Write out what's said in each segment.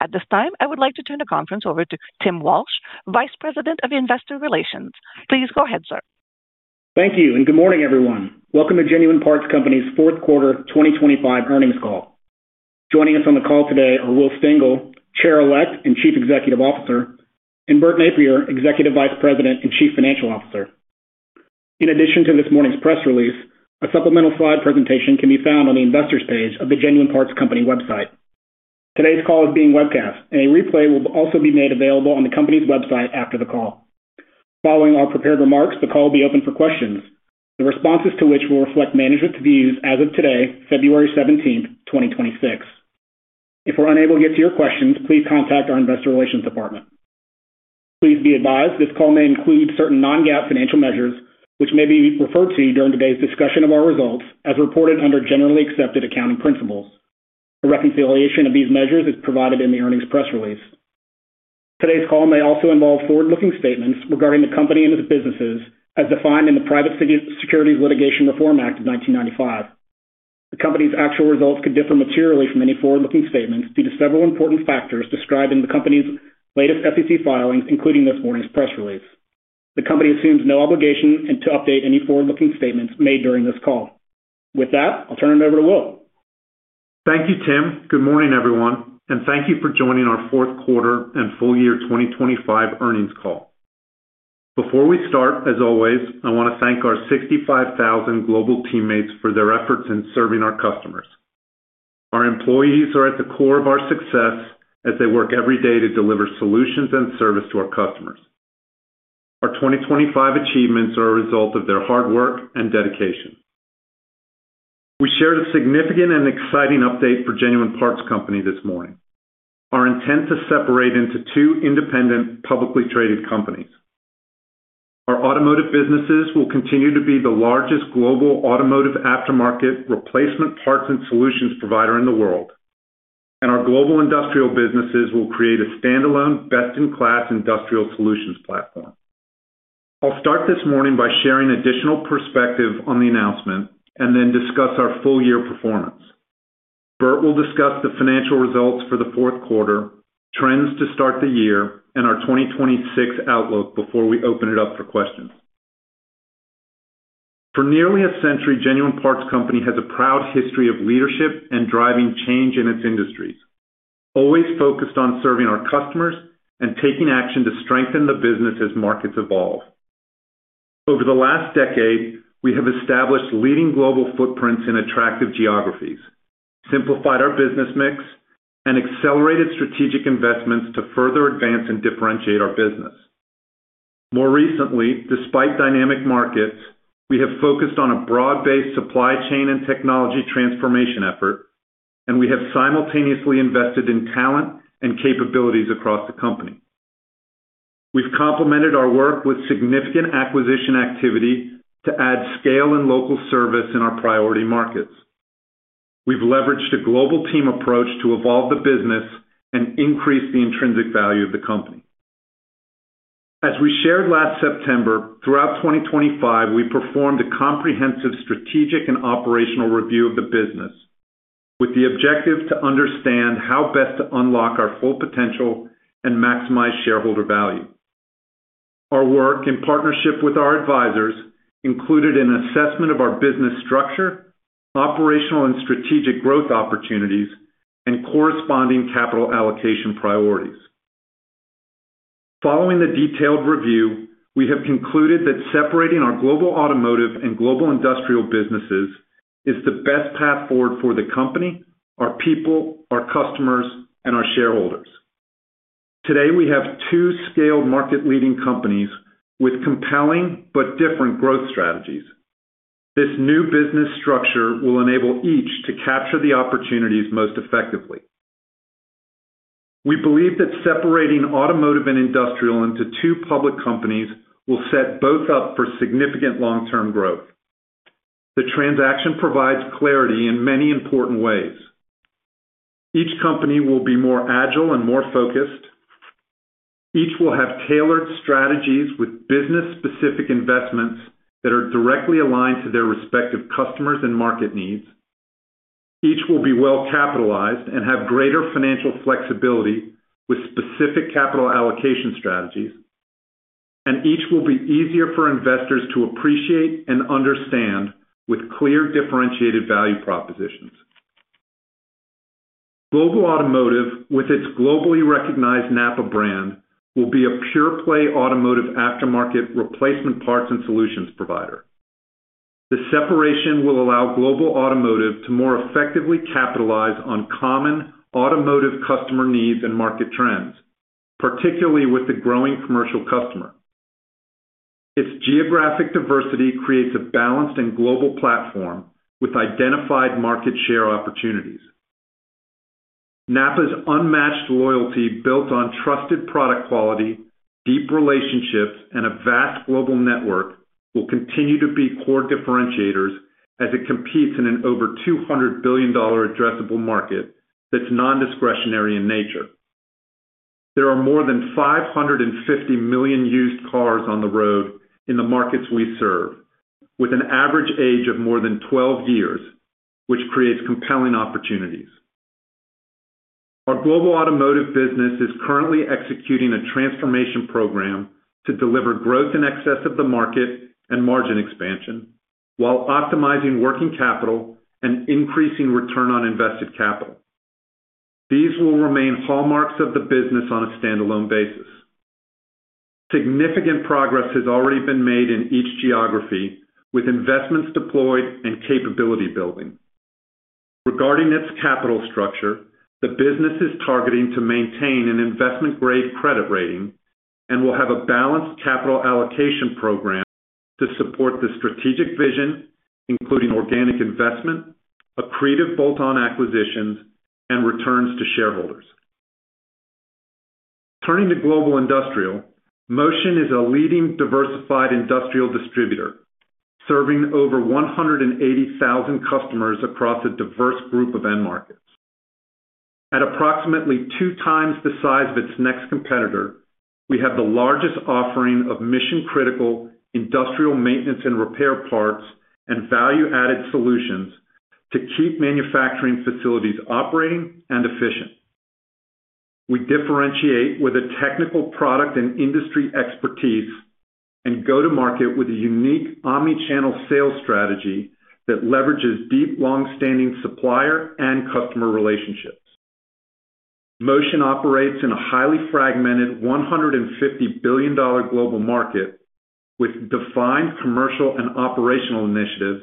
At this time, I would like to turn the conference over to Tim Walsh, Vice President of Investor Relations. Please go ahead, sir. Thank you, and good morning, everyone. Welcome to Genuine Parts Company's Q4 2025 Earnings Call. Joining us on the call today are Will Stengel, Chair-elect and Chief Executive Officer, and Bert Nappier, Executive Vice President and Chief Financial Officer. In addition to this morning's press release, a supplemental slide presentation can be found on the Investors page of the Genuine Parts Company website. Today's call is being webcast, and a replay will also be made available on the company's website after the call. Following our prepared remarks, the call will be open for questions, the responses to which will reflect management's views as of today, February 17, 2026. If we're unable to get to your questions, please contact our Investor Relations department. Please be advised, this call may include certain non-GAAP financial measures, which may be referred to during today's discussion of our results as reported under generally accepted accounting principles. A reconciliation of these measures is provided in the earnings press release. Today's call may also involve forward-looking statements regarding the company and its businesses, as defined in the Private Securities Litigation Reform Act of 1995. The company's actual results could differ materially from any forward-looking statements due to several important factors described in the company's latest SEC filings, including this morning's press release. The company assumes no obligation to update any forward-looking statements made during this call. With that, I'll turn it over to Will. Thank you, Tim. Good morning, everyone, and thank you for joining our Q4 and full year 2025 earnings call. Before we start, as always, I want to thank our 65,000 global teammates for their efforts in serving our customers. Our employees are at the core of our success as they work every day to deliver solutions and service to our customers. Our 2025 achievements are a result of their hard work and dedication. We shared a significant and exciting update for Genuine Parts Company this morning: our intent to separate into two independent, publicly traded companies. Our automotive businesses will continue to be the largest global automotive aftermarket replacement parts and solutions provider in the world, and our global industrial businesses will create a standalone, best-in-class industrial solutions platform. I'll start this morning by sharing additional perspective on the announcement and then discuss our full-year performance. Bert will discuss the financial results for the Q4, trends to start the year, and our 2026 outlook before we open it up for questions. For nearly a century, Genuine Parts Company has a proud history of leadership and driving change in its industries, always focused on serving our customers and taking action to strengthen the business as markets evolve. Over the last decade, we have established leading global footprints in attractive geographies, simplified our business mix, and accelerated strategic investments to further advance and differentiate our business. More recently, despite dynamic markets, we have focused on a broad-based supply chain and technology transformation effort, and we have simultaneously invested in talent and capabilities across the company. We've complemented our work with significant acquisition activity to add scale and local service in our priority markets. We've leveraged a global team approach to evolve the business and increase the intrinsic value of the company. As we shared last September, throughout 2025, we performed a comprehensive strategic and operational review of the business with the objective to understand how best to unlock our full potential and maximize shareholder value. Our work, in partnership with our advisors, included an assessment of our business structure, operational and strategic growth opportunities, and corresponding capital allocation priorities. Following the detailed review, we have concluded that separating our Global Automotive and Global Industrial businesses is the best path forward for the company, our people, our customers, and our shareholders. Today, we have two scaled market-leading companies with compelling but different growth strategies. This new business structure will enable each to capture the opportunities most effectively. We believe that separating Automotive and Industrial into two public companies will set both up for significant long-term growth. The transaction provides clarity in many important ways. Each company will be more agile and more focused. Each will have tailored strategies with business-specific investments that are directly aligned to their respective customers and market needs. Each will be well-capitalized and have greater financial flexibility with specific capital allocation strategies. And each will be easier for investors to appreciate and understand with clear, differentiated value propositions. Global Automotive, with its globally recognized NAPA brand, will be a pure-play automotive aftermarket replacement parts and solutions provider. The separation will allow Global Automotive to more effectively capitalize on common automotive customer needs and market trends, particularly with the growing commercial customer. Its geographic diversity creates a balanced and global platform with identified market share opportunities. NAPA's unmatched loyalty, built on trusted product quality, deep relationships, and a vast global network, will continue to be core differentiators as it competes in an over $200 billion addressable market that's non-discretionary in nature. There are more than 550 million used cars on the road in the markets we serve, with an average age of more than 12 years, which creates compelling opportunities. Our global automotive business is currently executing a transformation program to deliver growth in excess of the market and margin expansion, while optimizing working capital and increasing return on invested capital. These will remain hallmarks of the business on a standalone basis. Significant progress has already been made in each geography, with investments deployed and capability building. Regarding its capital structure, the business is targeting to maintain an investment-grade credit rating and will have a balanced capital allocation program to support the strategic vision, including organic investment, accretive bolt-on acquisitions, and returns to shareholders. Turning to global industrial, Motion is a leading diversified industrial distributor, serving over 180,000 customers across a diverse group of end markets. At approximately 2x the size of its next competitor, we have the largest offering of mission-critical industrial maintenance and repair parts and value-added solutions to keep manufacturing facilities operating and efficient. We differentiate with a technical product and industry expertise and go to market with a unique omni-channel sales strategy that leverages deep, long-standing supplier and customer relationships. Motion operates in a highly fragmented $150 billion global market, with defined commercial and operational initiatives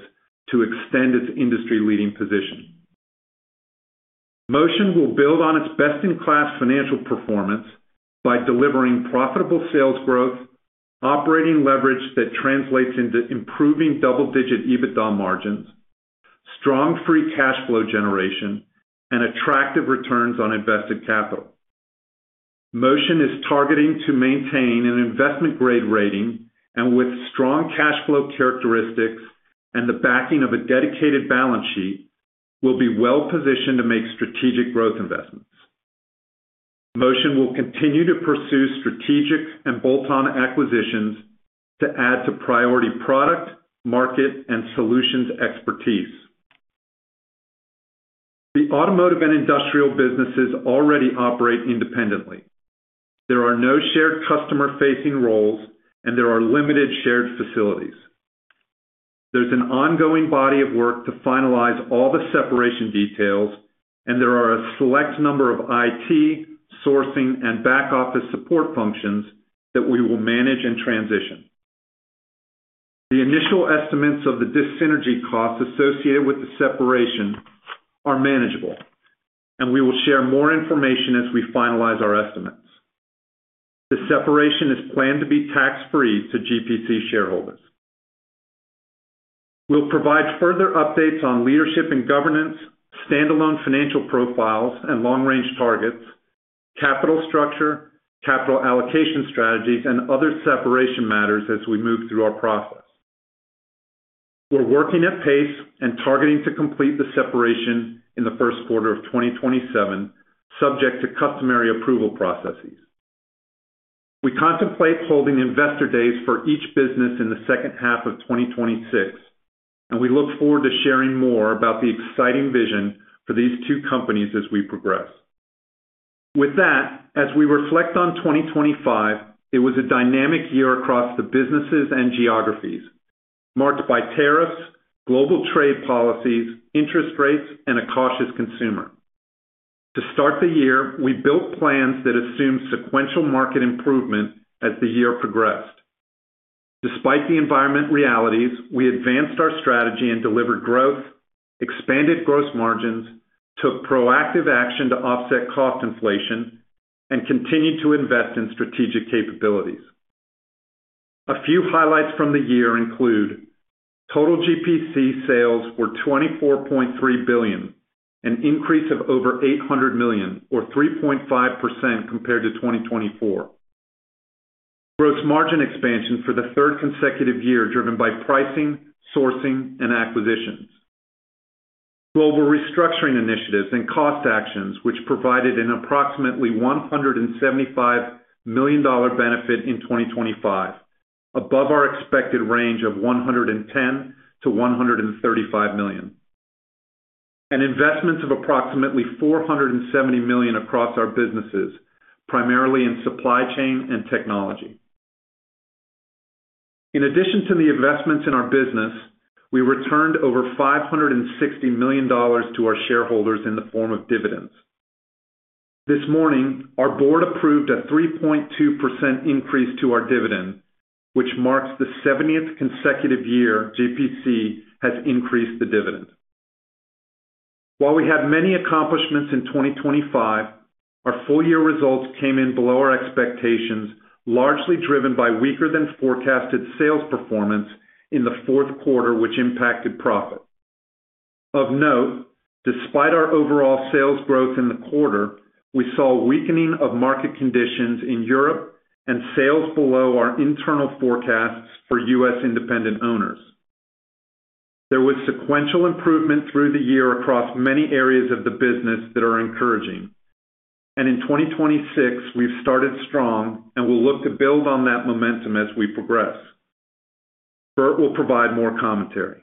to extend its industry-leading position. Motion will build on its best-in-class financial performance by delivering profitable sales growth, operating leverage that translates into improving double-digit EBITDA margins, strong free cash flow generation, and attractive returns on invested capital. Motion is targeting to maintain an investment-grade rating, and with strong cash flow characteristics and the backing of a dedicated balance sheet, will be well-positioned to make strategic growth investments. Motion will continue to pursue strategic and bolt-on acquisitions to add to priority product, market, and solutions expertise. The automotive and industrial businesses already operate independently. There are no shared customer-facing roles, and there are limited shared facilities. There's an ongoing body of work to finalize all the separation details, and there are a select number of IT, sourcing, and back-office support functions that we will manage and transition. The initial estimates of the dis-synergy costs associated with the separation are manageable, and we will share more information as we finalize our estimates. The separation is planned to be tax-free to GPC shareholders. We'll provide further updates on leadership and governance, standalone financial profiles and long-range targets, capital structure, capital allocation strategies, and other separation matters as we move through our process. We're working at pace and targeting to complete the separation in the Q1 of 2027, subject to customary approval processes. We contemplate holding investor days for each business in the second half of 2026, and we look forward to sharing more about the exciting vision for these two companies as we progress. With that, as we reflect on 2025, it was a dynamic year across the businesses and geographies, marked by tariffs, global trade policies, interest rates, and a cautious consumer. To start the year, we built plans that assumed sequential market improvement as the year progressed. Despite the environmental realities, we advanced our strategy and delivered growth, expanded gross margins, took proactive action to offset cost inflation, and continued to invest in strategic capabilities. A few highlights from the year include: Total GPC sales were $24.3 billion, an increase of over $800 million, or 3.5% compared to 2024. Gross margin expansion for the third consecutive year, driven by pricing, sourcing, and acquisitions. Global restructuring initiatives and cost actions, which provided an approximately $175 million benefit in 2025, above our expected range of $110-$135 million. Investments of approximately $470 million across our businesses, primarily in supply chain and technology. In addition to the investments in our business, we returned over $560 million to our shareholders in the form of dividends. This morning, our board approved a 3.2% increase to our dividend, which marks the 70th consecutive year GPC has increased the dividend. While we had many accomplishments in 2025, our full-year results came in below our expectations, largely driven by weaker than forecasted sales performance in the Q4, which impacted profit. Of note, despite our overall sales growth in the quarter, we saw weakening of market conditions in Europe and sales below our internal forecasts for U.S. independent owners. There was sequential improvement through the year across many areas of the business that are encouraging. In 2026, we've started strong, and we'll look to build on that momentum as we progress. Bert will provide more commentary.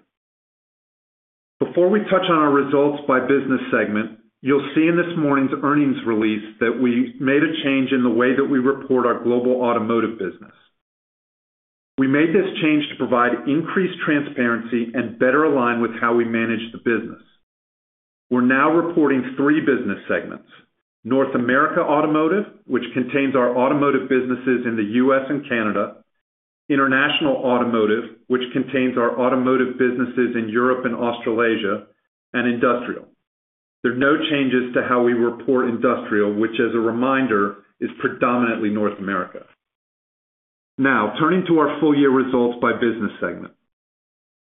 Before we touch on our results by business segment, you'll see in this morning's earnings release that we made a change in the way that we report our global automotive business. We made this change to provide increased transparency and better align with how we manage the business. We're now reporting three business segments: North America Automotive, which contains our automotive businesses in the U.S. and Canada, International Automotive, which contains our automotive businesses in Europe and Australasia, and Industrial. There are no changes to how we report Industrial, which, as a reminder, is predominantly North America. Now, turning to our full year results by business segment.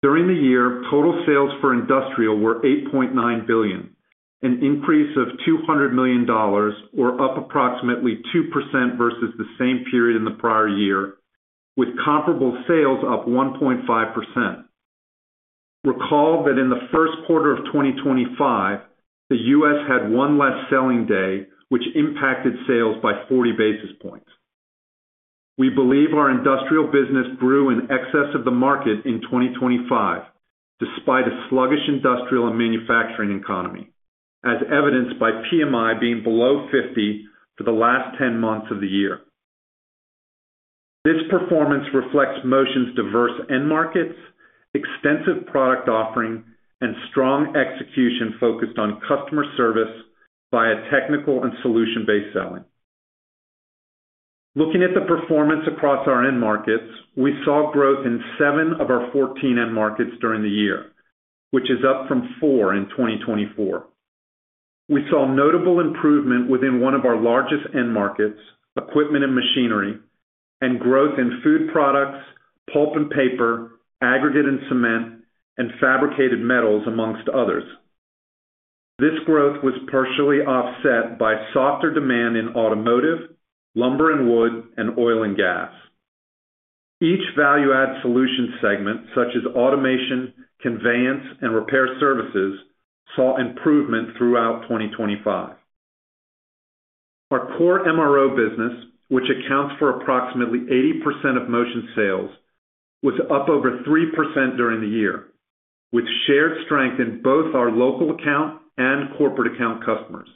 During the year, total sales for Industrial were $8.9 billion, an increase of $200 million, or up approximately 2% versus the same period in the prior year, with comparable sales up 1.5%. Recall that in the Q1 of 2025, the U.S. had 1 less selling day, which impacted sales by 40 basis points. We believe our industrial business grew in excess of the market in 2025, despite a sluggish industrial and manufacturing economy, as evidenced by PMI being below 50 for the last 10 months of the year. This performance reflects Motion's diverse end markets, extensive product offering, and strong execution focused on customer service by a technical and solution-based selling. Looking at the performance across our end markets, we saw growth in 7 of our 14 end markets during the year, which is up from 4 in 2024. We saw notable improvement within one of our largest end markets, equipment and machinery, and growth in food products, pulp and paper, aggregate and cement, and fabricated metals, amongst others. This growth was partially offset by softer demand in automotive, lumber and wood, and oil and gas. Each value-added solution segment, such as automation, conveyance, and repair services, saw improvement throughout 2025. Our core MRO business, which accounts for approximately 80% of Motion sales, was up over 3% during the year, with shared strength in both our local account and corporate account customers.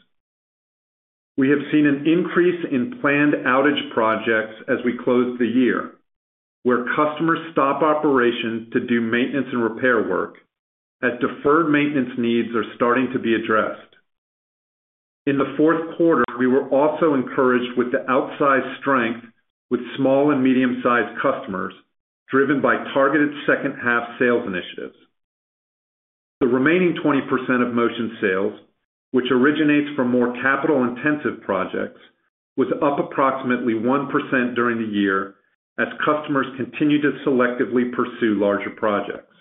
We have seen an increase in planned outage projects as we close the year, where customers stop operations to do maintenance and repair work, as deferred maintenance needs are starting to be addressed. In the Q4, we were also encouraged with the outsized strength with small and medium-sized customers, driven by targeted second-half sales initiatives. The remaining 20% of Motion sales, which originates from more capital-intensive projects, was up approximately 1% during the year as customers continue to selectively pursue larger projects.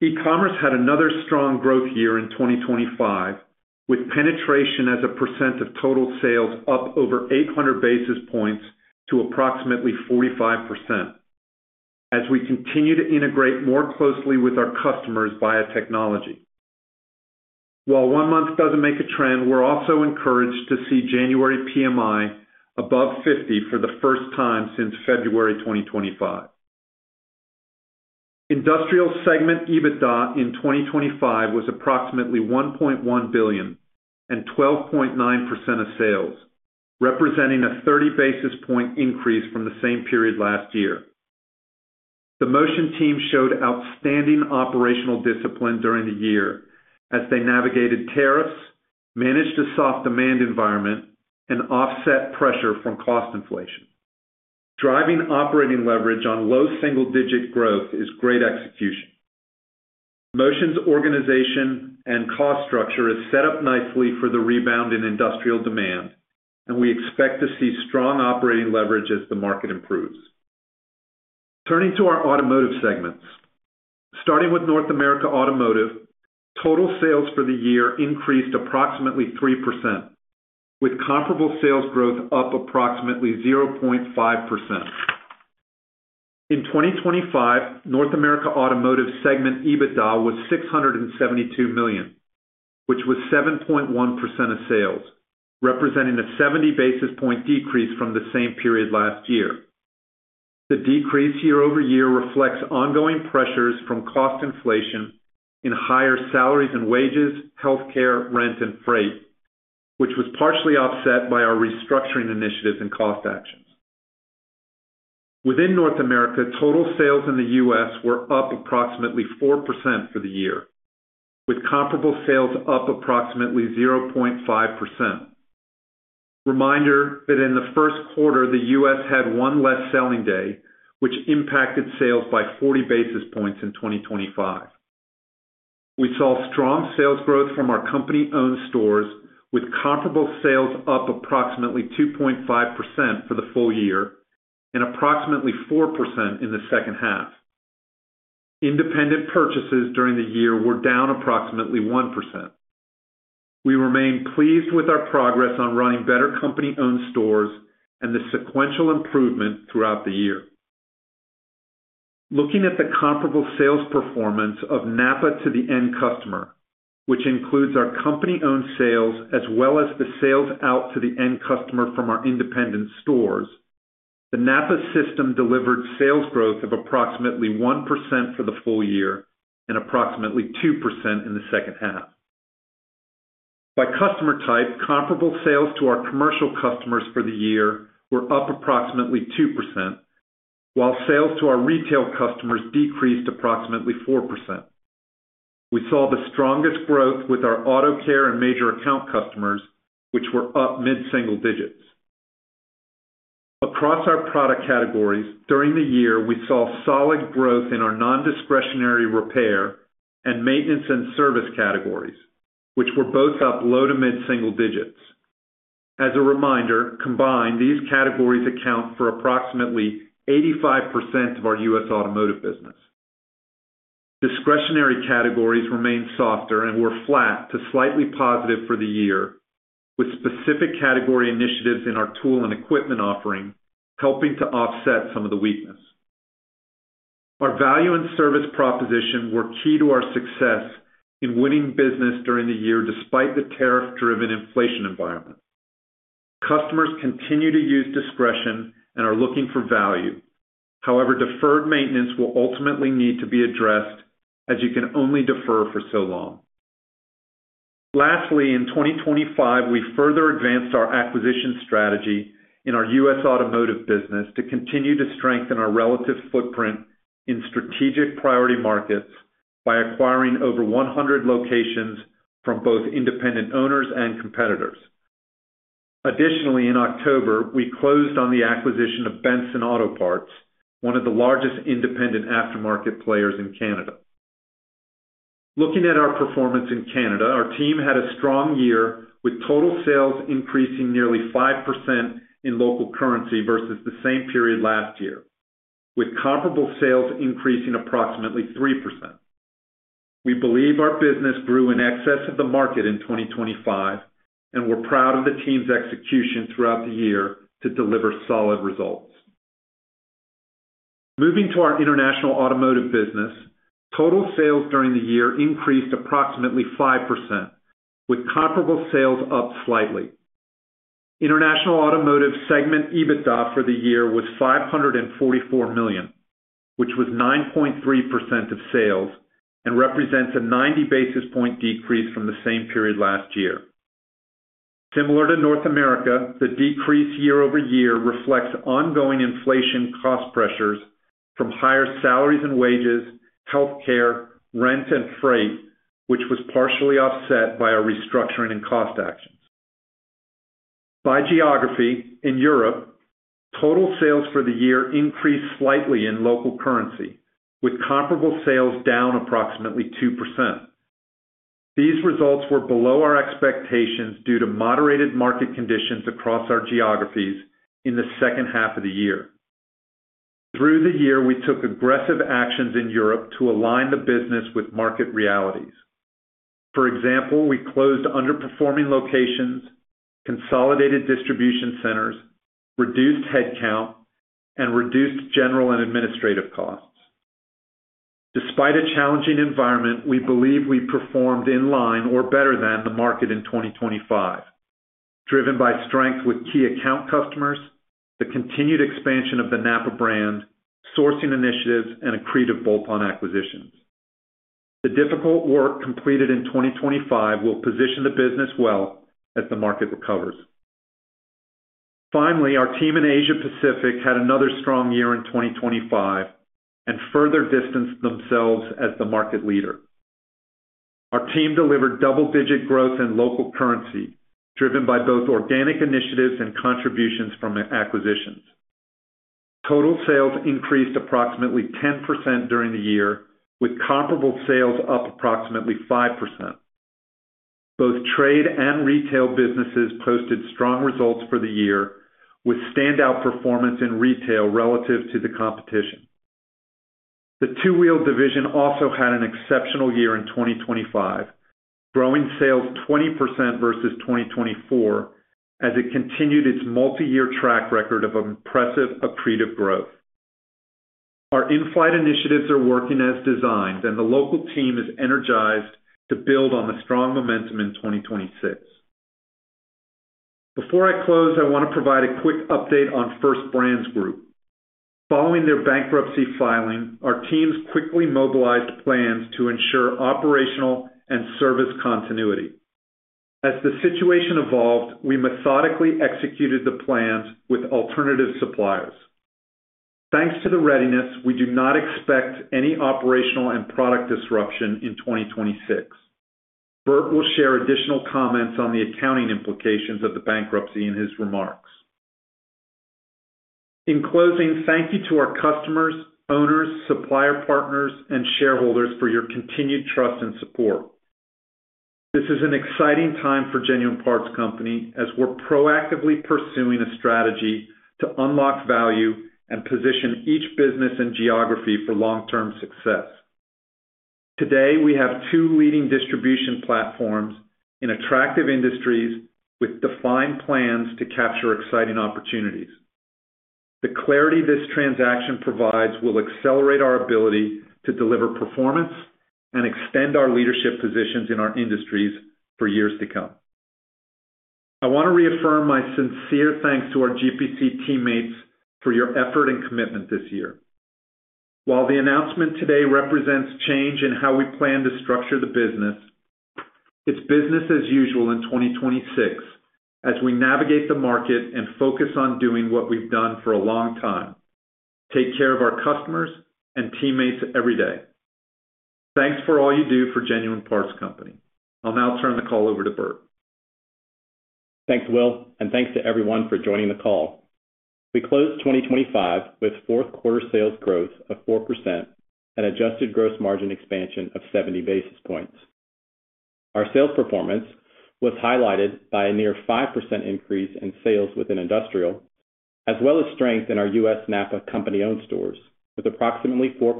E-commerce had another strong growth year in 2025, with penetration as a percent of total sales up over 800 basis points to approximately 45%, as we continue to integrate more closely with our customers via technology. While one month doesn't make a trend, we're also encouraged to see January PMI above 50 for the first time since February 2025. Industrial segment EBITDA in 2025 was approximately $1.1 billion and 12.9% of sales, representing a 30 basis point increase from the same period last year. The Motion team showed outstanding operational discipline during the year as they navigated tariffs, managed a soft demand environment, and offset pressure from cost inflation. Driving operating leverage on low single-digit growth is great execution. Motion's organization and cost structure is set up nicely for the rebound in industrial demand, and we expect to see strong operating leverage as the market improves. Turning to our automotive segments. Starting with North America Automotive, total sales for the year increased approximately 3%, with comparable sales growth up approximately 0.5%. In 2025, North America Automotive segment EBITDA was $672 million, which was 7.1% of sales, representing a 70 basis point decrease from the same period last year. The decrease year-over-year reflects ongoing pressures from cost inflation in higher salaries and wages, healthcare, rent, and freight, which was partially offset by our restructuring initiatives and cost actions. Within North America, total sales in the US were up approximately 4% for the year, with comparable sales up approximately 0.5%. Reminder that in the Q1, the US had one less selling day, which impacted sales by 40 basis points in 2025. We saw strong sales growth from our company-owned stores, with comparable sales up approximately 2.5% for the full year and approximately 4% in the second half. Independent purchases during the year were down approximately 1%. We remain pleased with our progress on running better company-owned stores and the sequential improvement throughout the year. Looking at the comparable sales performance of NAPA to the end customer, which includes our company-owned sales as well as the sales out to the end customer from our independent stores, the NAPA system delivered sales growth of approximately 1% for the full year and approximately 2% in the second half. By customer type, comparable sales to our commercial customers for the year were up approximately 2%, while sales to our retail customers decreased approximately 4%. We saw the strongest growth with our AutoCare and major account customers, which were up mid-single digits. Across our product categories, during the year, we saw solid growth in our nondiscretionary repair and maintenance and service categories, which were both up low to mid-single digits. As a reminder, combined, these categories account for approximately 85% of our U.S. automotive business. Discretionary categories remained softer and were flat to slightly positive for the year, with specific category initiatives in our tool and equipment offering, helping to offset some of the weakness. Our value and service proposition were key to our success in winning business during the year, despite the tariff-driven inflation environment. Customers continue to use discretion and are looking for value. However, deferred maintenance will ultimately need to be addressed, as you can only defer for so long. Lastly, in 2025, we further advanced our acquisition strategy in our U.S. automotive business to continue to strengthen our relative footprint in strategic priority markets by acquiring over 100 locations from both independent owners and competitors. Additionally, in October, we closed on the acquisition of Benson Auto Parts, one of the largest independent aftermarket players in Canada. Looking at our performance in Canada, our team had a strong year, with total sales increasing nearly 5% in local currency versus the same period last year, with comparable sales increasing approximately 3%. We believe our business grew in excess of the market in 2025, and we're proud of the team's execution throughout the year to deliver solid results. Moving to our International Automotive business, total sales during the year increased approximately 5%, with comparable sales up slightly. International Automotive segment EBITDA for the year was $544 million, which was 9.3% of sales and represents a 90 basis point decrease from the same period last year. Similar to North America, the decrease year-over-year reflects ongoing inflation cost pressures from higher salaries and wages, healthcare, rent, and freight, which was partially offset by our restructuring and cost actions. By geography, in Europe, total sales for the year increased slightly in local currency, with comparable sales down approximately 2%. These results were below our expectations due to moderated market conditions across our geographies in the second half of the year. Through the year, we took aggressive actions in Europe to align the business with market realities. For example, we closed underperforming locations, consolidated distribution centers, reduced headcount, and reduced general and administrative costs. Despite a challenging environment, we believe we performed in line or better than the market in 2025, driven by strength with key account customers, the continued expansion of the NAPA brand, sourcing initiatives, and accretive bolt-on acquisitions. The difficult work completed in 2025 will position the business well as the market recovers. Finally, our team in Asia Pacific had another strong year in 2025 and further distanced themselves as the market leader. Our team delivered double-digit growth in local currency, driven by both organic initiatives and contributions from acquisitions. Total sales increased approximately 10% during the year, with comparable sales up approximately 5%. Both trade and retail businesses posted strong results for the year, with standout performance in retail relative to the competition. The Two-Wheel division also had an exceptional year in 2025, growing sales 20% versus 2024, as it continued its multiyear track record of impressive accretive growth. Our in-flight initiatives are working as designed, and the local team is energized to build on the strong momentum in 2026. Before I close, I want to provide a quick update on First Brands Group. Following their bankruptcy filing, our teams quickly mobilized plans to ensure operational and service continuity. As the situation evolved, we methodically executed the plans with alternative suppliers. Thanks to the readiness, we do not expect any operational and product disruption in 2026. Bert will share additional comments on the accounting implications of the bankruptcy in his remarks. In closing, thank you to our customers, owners, supplier partners, and shareholders for your continued trust and support. This is an exciting time for Genuine Parts Company, as we're proactively pursuing a strategy to unlock value and position each business and geography for long-term success.... Today, we have two leading distribution platforms in attractive industries with defined plans to capture exciting opportunities. The clarity this transaction provides will accelerate our ability to deliver performance and extend our leadership positions in our industries for years to come. I want to reaffirm my sincere thanks to our GPC teammates for your effort and commitment this year. While the announcement today represents change in how we plan to structure the business, it's business as usual in 2026 as we navigate the market and focus on doing what we've done for a long time, take care of our customers and teammates every day. Thanks for all you do for Genuine Parts Company. I'll now turn the call over to Bert. Thanks, Will, and thanks to everyone for joining the call. We closed 2025 with Q4 sales growth of 4% and adjusted gross margin expansion of 70 basis points. Our sales performance was highlighted by a near 5% increase in sales within industrial, as well as strength in our U.S. NAPA company-owned stores, with approximately 4%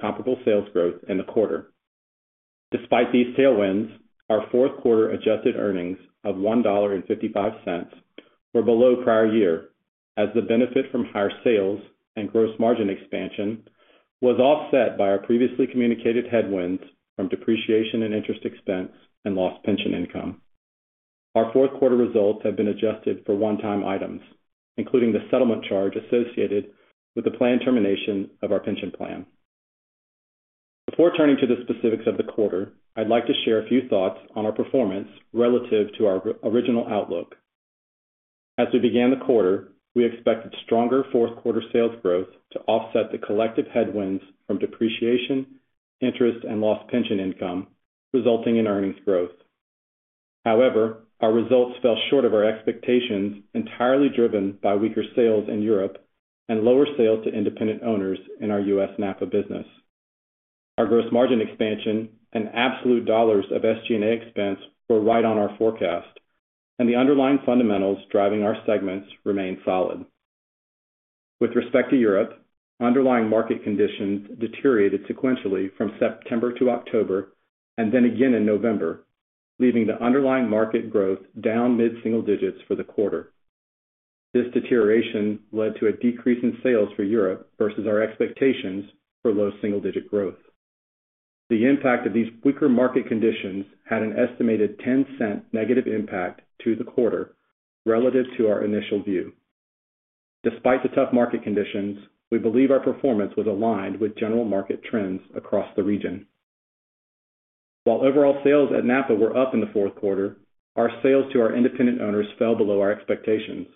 comparable sales growth in the quarter. Despite these tailwinds, our Q4 adjusted earnings of $1.55 were below prior year, as the benefit from higher sales and gross margin expansion was offset by our previously communicated headwinds from depreciation and interest expense and lost pension income. Our fourth quarter results have been adjusted for one-time items, including the settlement charge associated with the planned termination of our pension plan. Before turning to the specifics of the quarter, I'd like to share a few thoughts on our performance relative to our original outlook. As we began the quarter, we expected stronger Q4 sales growth to offset the collective headwinds from depreciation, interest, and lost pension income, resulting in earnings growth. However, our results fell short of our expectations, entirely driven by weaker sales in Europe and lower sales to independent owners in our U.S. NAPA business. Our gross margin expansion and absolute dollars of SG&A expense were right on our forecast, and the underlying fundamentals driving our segments remain solid. With respect to Europe, underlying market conditions deteriorated sequentially from September to October and then again in November, leaving the underlying market growth down mid-single digits for the quarter. This deterioration led to a decrease in sales for Europe versus our expectations for low single-digit growth. The impact of these weaker market conditions had an estimated $0.10 negative impact to the quarter relative to our initial view. Despite the tough market conditions, we believe our performance was aligned with general market trends across the region. While overall sales at NAPA were up in the Q4, our sales to our independent owners fell below our expectations.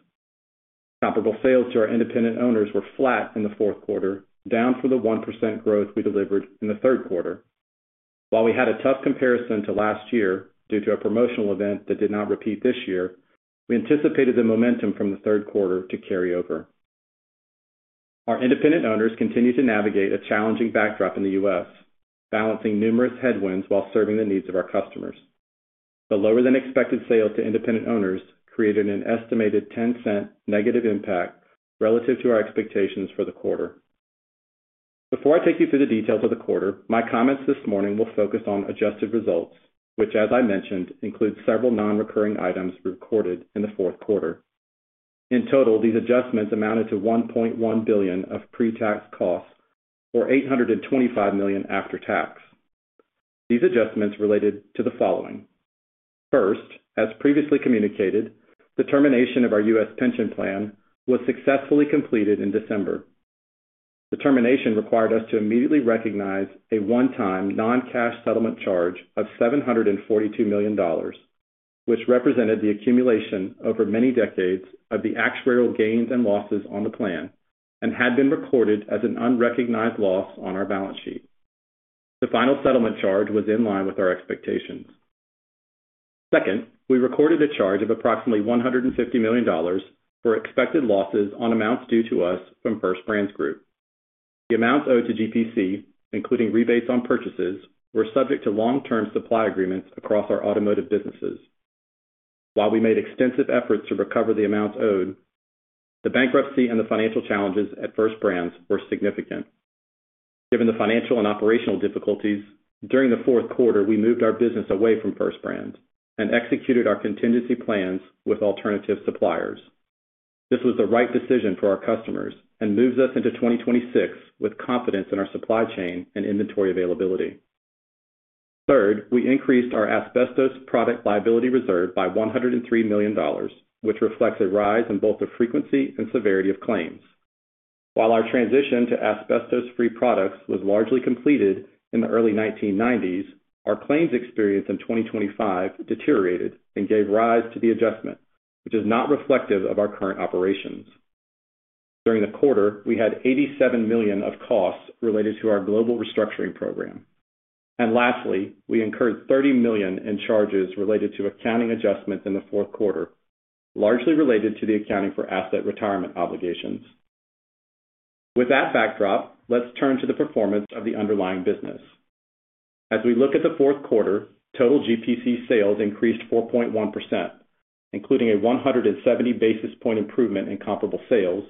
Comparable sales to our independent owners were flat in the Q4, down from the 1% growth we delivered in the Q3. While we had a tough comparison to last year due to a promotional event that did not repeat this year, we anticipated the momentum from the Q3 to carry over. Our independent owners continue to navigate a challenging backdrop in the U.S., balancing numerous headwinds while serving the needs of our customers. The lower-than-expected sales to independent owners created an estimated $0.10 negative impact relative to our expectations for the quarter. Before I take you through the details of the quarter, my comments this morning will focus on adjusted results, which, as I mentioned, include several non-recurring items recorded in the Q4. In total, these adjustments amounted to $1.1 billion of pre-tax costs, or $825 million after tax. These adjustments related to the following: First, as previously communicated, the termination of our U.S. pension plan was successfully completed in December. The termination required us to immediately recognize a one-time, non-cash settlement charge of $742 million, which represented the accumulation over many decades of the actuarial gains and losses on the plan and had been recorded as an unrecognized loss on our balance sheet. The final settlement charge was in line with our expectations. Second, we recorded a charge of approximately $150 million for expected losses on amounts due to us from First Brands Group. The amounts owed to GPC, including rebates on purchases, were subject to long-term supply agreements across our automotive businesses. While we made extensive efforts to recover the amounts owed, the bankruptcy and the financial challenges at First Brands were significant. Given the financial and operational difficulties, during the Q4, we moved our business away from First Brands and executed our contingency plans with alternative suppliers. This was the right decision for our customers and moves us into 2026 with confidence in our supply chain and inventory availability. Third, we increased our asbestos product liability reserve by $103 million, which reflects a rise in both the frequency and severity of claims. While our transition to asbestos-free products was largely completed in the early 1990s, our claims experience in 2025 deteriorated and gave rise to the adjustment, which is not reflective of our current operations. During the quarter, we had $87 million of costs related to our global restructuring program. And lastly, we incurred $30 million in charges related to accounting adjustments in the Q4, largely related to the accounting for asset retirement obligations. With that backdrop, let's turn to the performance of the underlying business. As we look at the Q4, total GPC sales increased 4.1%, including a 170 basis point improvement in comparable sales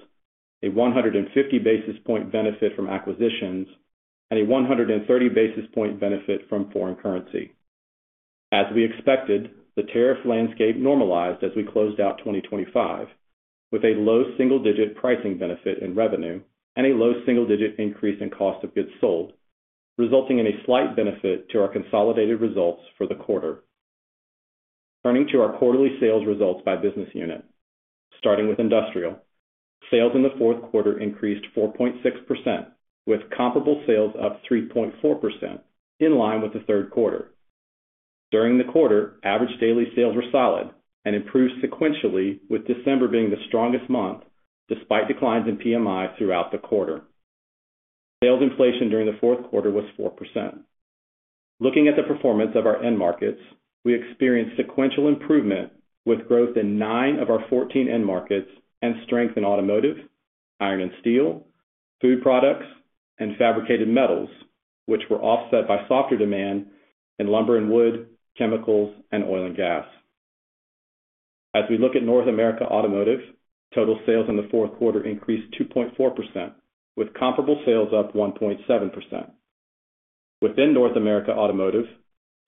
a 150 basis point benefit from acquisitions, and a 130 basis point benefit from foreign currency. As we expected, the tariff landscape normalized as we closed out 2025, with a low single-digit pricing benefit in revenue and a low single-digit increase in cost of goods sold, resulting in a slight benefit to our consolidated results for the quarter. Turning to our quarterly sales results by business unit. Starting with Industrial, sales in the Q4 increased 4.6%, with comparable sales up 3.4%, in line with the Q3. During the quarter, average daily sales were solid and improved sequentially, with December being the strongest month, despite declines in PMI throughout the quarter. Sales inflation during the Q4 was 4%. Looking at the performance of our end markets, we experienced sequential improvement with growth in nine of our 14 end markets and strength in automotive, iron and steel, food products, and fabricated metals, which were offset by softer demand in lumber and wood, chemicals, and oil and gas. As we look at North America Automotive, total sales in the Q4 increased 2.4%, with comparable sales up 1.7%. Within North America Automotive,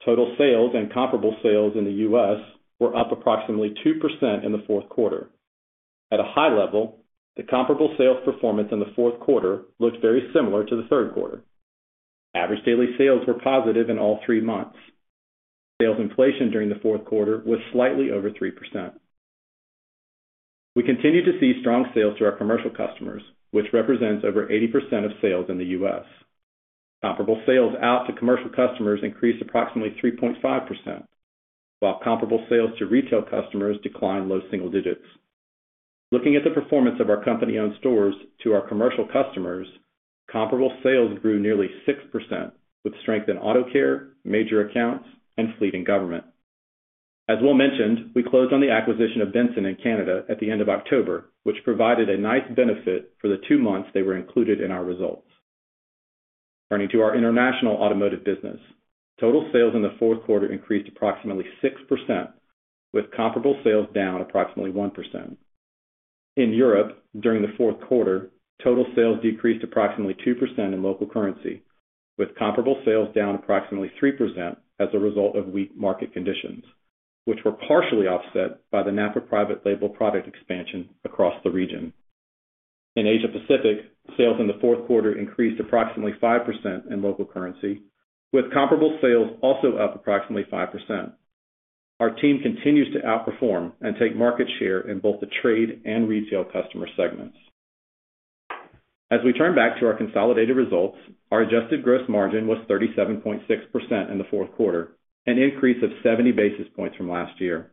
total sales and comparable sales in the U.S. were up approximately 2% in the Q4. At a high level, the comparable sales performance in the Q4 looked very similar to the Q3. Average daily sales were positive in all three months. Sales inflation during the Q4 was slightly over 3%. We continued to see strong sales to our commercial customers, which represents over 80% of sales in the U.S. Comparable sales to commercial customers increased approximately 3.5%, while comparable sales to retail customers declined low single digits. Looking at the performance of our company-owned stores to our commercial customers, comparable sales grew nearly 6%, with strength in AutoCare, major accounts, and fleet and government. As Will mentioned, we closed on the acquisition of Benson in Canada at the end of October, which provided a nice benefit for the two months they were included in our results. Turning to our International Automotive business. Total sales in the Q4 increased approximately 6%, with comparable sales down approximately 1%. In Europe, during the Q4, total sales decreased approximately 2% in local currency, with comparable sales down approximately 3% as a result of weak market conditions, which were partially offset by the NAPA private label product expansion across the region. In Asia Pacific, sales in the Q4 increased approximately 5% in local currency, with comparable sales also up approximately 5%. Our team continues to outperform and take market share in both the trade and retail customer segments. As we turn back to our consolidated results, our adjusted gross margin was 37.6% in the Q4, an increase of 70 basis points from last year.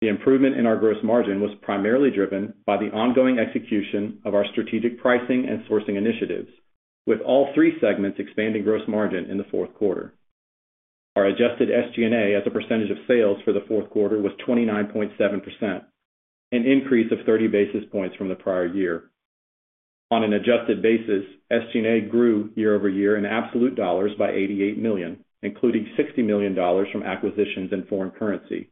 The improvement in our gross margin was primarily driven by the ongoing execution of our strategic pricing and sourcing initiatives, with all three segments expanding gross margin in the Q4. Our adjusted SG&A, as a percentage of sales for the Q4, was 29.7%, an increase of 30 basis points from the prior year. On an adjusted basis, SG&A grew year-over-year in absolute dollars by $88 million, including $60 million from acquisitions in foreign currency.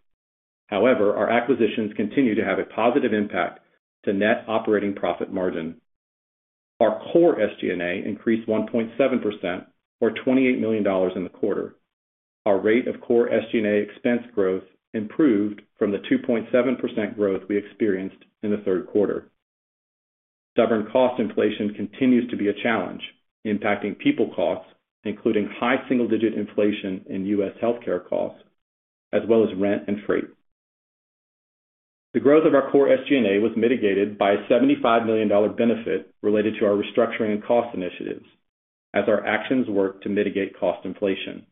However, our acquisitions continue to have a positive impact to net operating profit margin. Our core SG&A increased 1.7% or $28 million in the quarter. Our rate of core SG&A expense growth improved from the 2.7% growth we experienced in the Q3. Stubborn cost inflation continues to be a challenge, impacting people costs, including high single-digit inflation in US healthcare costs, as well as rent and freight. The growth of our core SG&A was mitigated by a $75 million benefit related to our restructuring and cost initiatives as our actions work to mitigate cost inflation.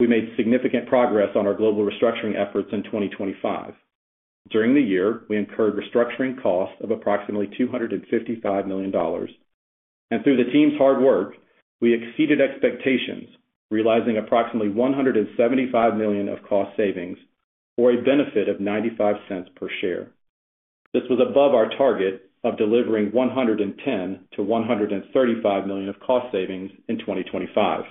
We made significant progress on our global restructuring efforts in 2025. During the year, we incurred restructuring costs of approximately $255 million, and through the team's hard work, we exceeded expectations, realizing approximately $175 million of cost savings or a benefit of $0.95 per share. This was above our target of delivering $110-$135 million of cost savings in 2025.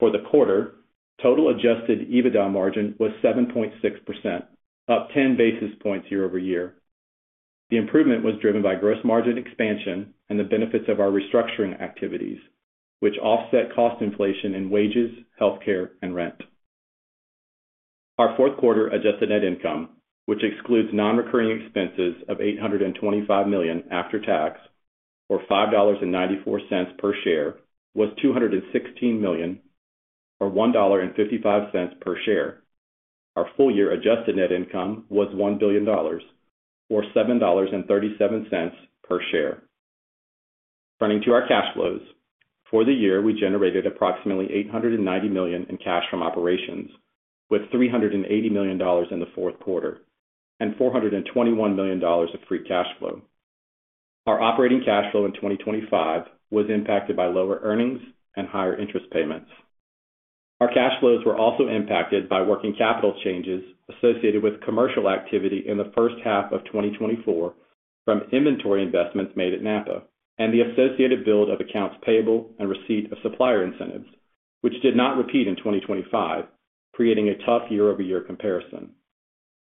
For the quarter, total adjusted EBITDA margin was 7.6%, up 10 basis points year-over-year. The improvement was driven by gross margin expansion and the benefits of our restructuring activities, which offset cost inflation in wages, healthcare, and rent. Our Q4 adjusted net income, which excludes non-recurring expenses of $825 million after tax, or $5.94 per share, was $216 million, or $1.55 per share. Our full-year adjusted net income was $1 billion or $7.37 per share. Turning to our cash flows. For the year, we generated approximately $890 million in cash from operations, with $380 million in the Q4 and $421 million of free cash flow. Our operating cash flow in 2025 was impacted by lower earnings and higher interest payments. Our cash flows were also impacted by working capital changes associated with commercial activity in the first half of 2024 from inventory investments made at NAPA and the associated build of accounts payable and receipt of supplier incentives, which did not repeat in 2025, creating a tough year-over-year comparison.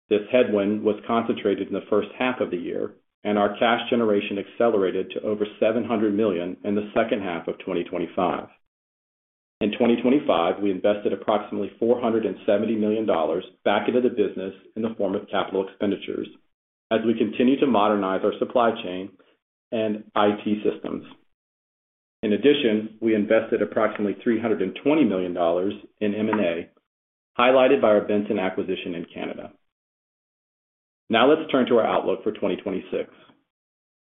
This headwind was concentrated in the first half of the year, and our cash generation accelerated to over $700 million in the second half of 2025. In 2025, we invested approximately $470 million back into the business in the form of capital expenditures as we continue to modernize our supply chain and IT systems. In addition, we invested approximately $320 million in M&A, highlighted by our Benson acquisition in Canada. Now let's turn to our outlook for 2026.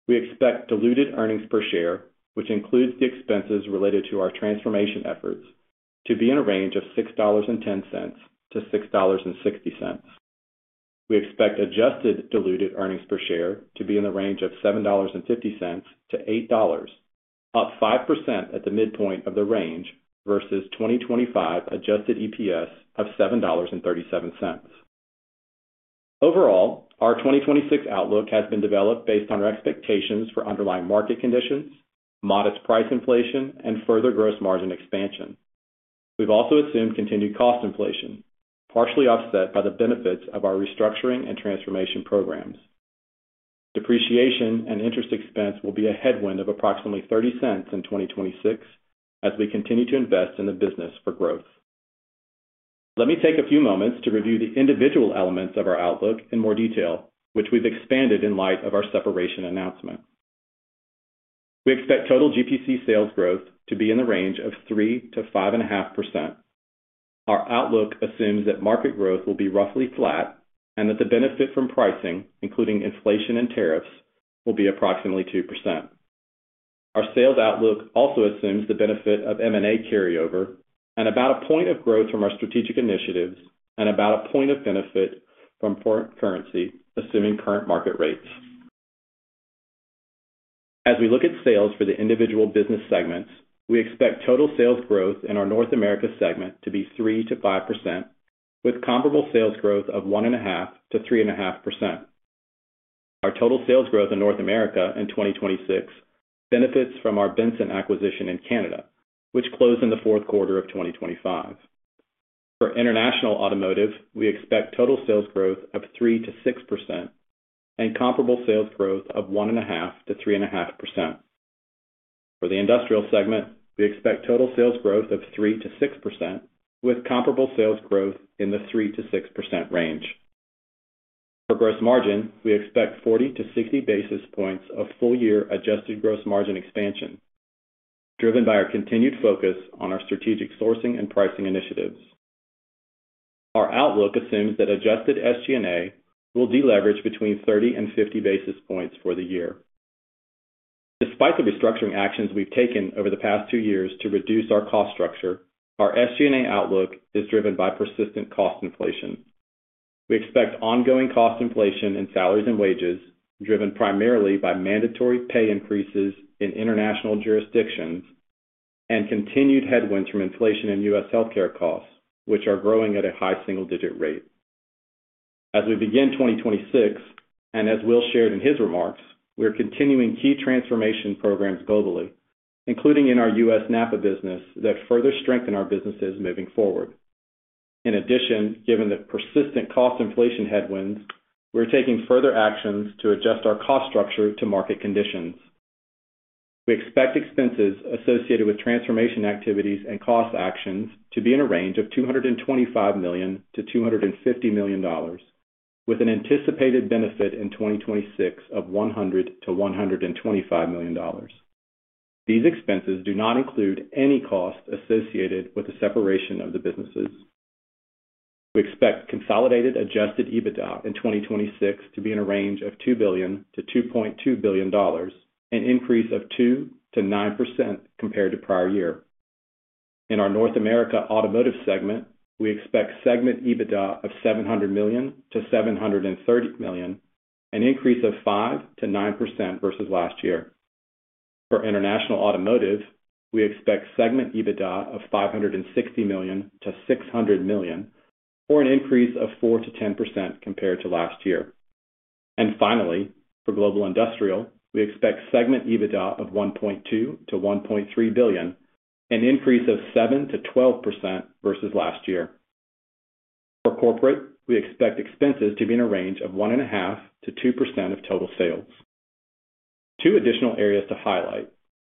We expect diluted earnings per share, which includes the expenses related to our transformation efforts, to be in a range of $6.10-$6.60. We expect adjusted diluted earnings per share to be in the range of $7.50-$8, up 5% at the midpoint of the range versus 2025 adjusted EPS of $7.37. Overall, our 2026 outlook has been developed based on our expectations for underlying market conditions, modest price inflation, and further gross margin expansion. We've also assumed continued cost inflation, partially offset by the benefits of our restructuring and transformation programs. Depreciation and interest expense will be a headwind of approximately $0.30 in 2026 as we continue to invest in the business for growth. Let me take a few moments to review the individual elements of our outlook in more detail, which we've expanded in light of our separation announcement. We expect total GPC sales growth to be in the range of 3%-5.5%. Our outlook assumes that market growth will be roughly flat and that the benefit from pricing, including inflation and tariffs, will be approximately 2%. Our sales outlook also assumes the benefit of M&A carryover and about a point of growth from our strategic initiatives and about a point of benefit from foreign currency, assuming current market rates. As we look at sales for the individual business segments, we expect total sales growth in our North America segment to be 3%-5%, with comparable sales growth of 1.5%-3.5%. Our total sales growth in North America in 2026 benefits from our Benson acquisition in Canada, which closed in the Q4 of 2025. For International Automotive, we expect total sales growth of 3%-6% and comparable sales growth of 1.5%-3.5%. For the industrial segment, we expect total sales growth of 3%-6%, with comparable sales growth in the 3%-6% range. For gross margin, we expect 40-60 basis points of full-year adjusted gross margin expansion, driven by our continued focus on our strategic sourcing and pricing initiatives. Our outlook assumes that adjusted SG&A will deleverage between 30-50 basis points for the year. Despite the restructuring actions we've taken over the past two years to reduce our cost structure, our SG&A outlook is driven by persistent cost inflation. We expect ongoing cost inflation in salaries and wages, driven primarily by mandatory pay increases in international jurisdictions, and continued headwinds from inflation in U.S. healthcare costs, which are growing at a high single-digit rate. As we begin 2026, and as Will shared in his remarks, we are continuing key transformation programs globally, including in our U.S. NAPA business, that further strengthen our businesses moving forward. In addition, given the persistent cost inflation headwinds, we're taking further actions to adjust our cost structure to market conditions. We expect expenses associated with transformation activities and cost actions to be in a range of $225-$250 million, with an anticipated benefit in 2026 of $100-$125 million. These expenses do not include any costs associated with the separation of the businesses. We expect consolidated Adjusted EBITDA in 2026 to be in a range of $2 billion-$2.2 billion, an increase of 2%-9% compared to prior year. In our North America Automotive segment, we expect segment EBITDA of $700-$730 million, an increase of 5%-9% versus last year. For International Automotive, we expect segment EBITDA of $560-$600 million, or an increase of 4%-10% compared to last year. And finally, for global industrial, we expect segment EBITDA of $1.2 billion-$1.3 billion, an increase of 7%-12% versus last year. For corporate, we expect expenses to be in a range of 1.5%-2% of total sales. Two additional areas to highlight.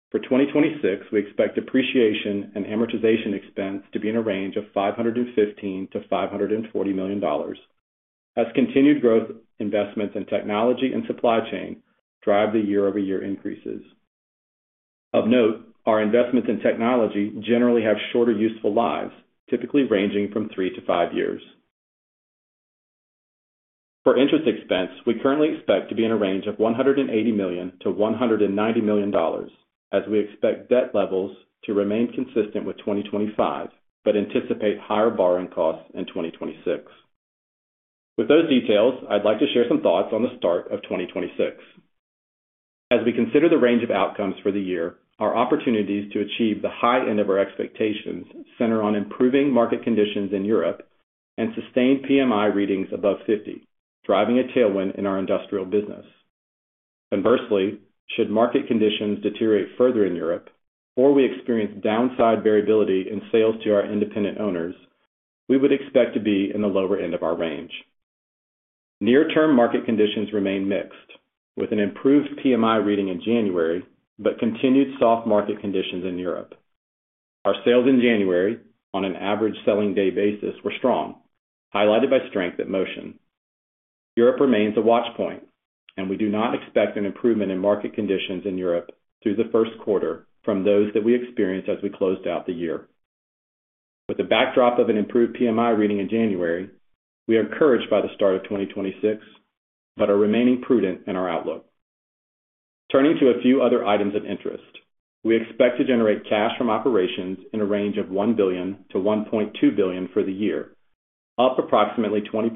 For 2026, we expect depreciation and amortization expense to be in a range of $515-$540 million, as continued growth investments in technology and supply chain drive the year-over-year increases. Of note, our investments in technology generally have shorter, useful lives, typically ranging from 3-5 years. For interest expense, we currently expect to be in a range of $180-$190 million, as we expect debt levels to remain consistent with 2025, but anticipate higher borrowing costs in 2026. With those details, I'd like to share some thoughts on the start of 2026. As we consider the range of outcomes for the year, our opportunities to achieve the high end of our expectations center on improving market conditions in Europe and sustained PMI readings above 50, driving a tailwind in our industrial business. Conversely, should market conditions deteriorate further in Europe or we experience downside variability in sales to our independent owners, we would expect to be in the lower end of our range. Near-term market conditions remain mixed, with an improved PMI reading in January, but continued soft market conditions in Europe. Our sales in January, on an average selling day basis, were strong, highlighted by strength at Motion. Europe remains a watch point, and we do not expect an improvement in market conditions in Europe through the Q1 from those that we experienced as we closed out the year. With the backdrop of an improved PMI reading in January, we are encouraged by the start of 2026, but are remaining prudent in our outlook. Turning to a few other items of interest, we expect to generate cash from operations in a range of $1 billion-$1.2 billion for the year, up approximately 20%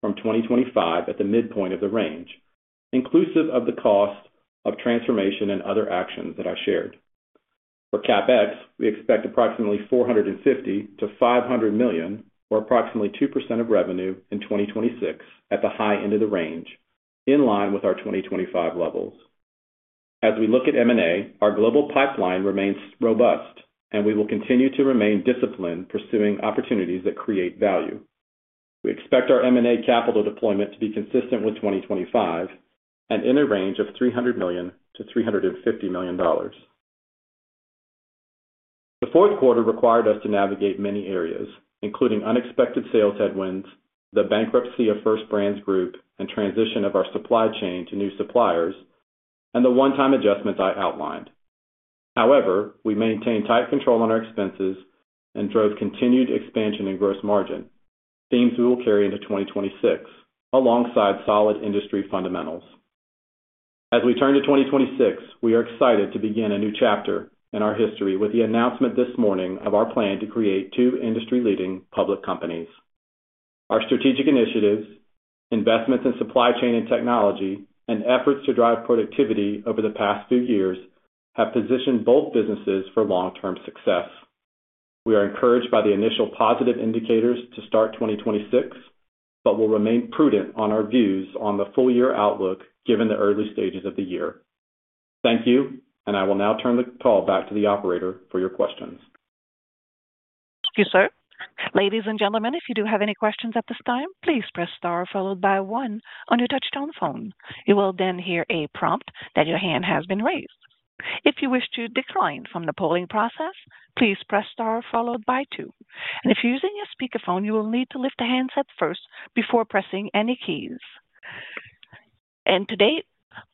from 2025 at the midpoint of the range, inclusive of the cost of transformation and other actions that I shared. For CapEx, we expect approximately $450-$500 million, or approximately 2% of revenue in 2026 at the high end of the range, in line with our 2025 levels. As we look at M&A, our global pipeline remains robust, and we will continue to remain disciplined, pursuing opportunities that create value. We expect our M&A capital deployment to be consistent with 2025 and in a range of $300-$350 million. The Q4 required us to navigate many areas, including unexpected sales headwinds, the bankruptcy of First Brands Group, and transition of our supply chain to new suppliers, and the one-time adjustments I outlined. However, we maintained tight control on our expenses and drove continued expansion in gross margin, themes we will carry into 2026, alongside solid industry fundamentals. As we turn to 2026, we are excited to begin a new chapter in our history with the announcement this morning of our plan to create two industry-leading public companies. Our strategic initiatives, investments in supply chain and technology, and efforts to drive productivity over the past few years have positioned both businesses for long-term success. We are encouraged by the initial positive indicators to start 2026, but will remain prudent on our views on the full year outlook, given the early stages of the year. Thank you, and I will now turn the call back to the operator for your questions. Thank you, sir. Ladies and gentlemen, if you do have any questions at this time, please press Star followed by one on your touchtone phone. You will then hear a prompt that your hand has been raised. If you wish to decline from the polling process, please press Star followed by two. And if you're using your speakerphone, you will need to lift the handset first before pressing any keys. And today,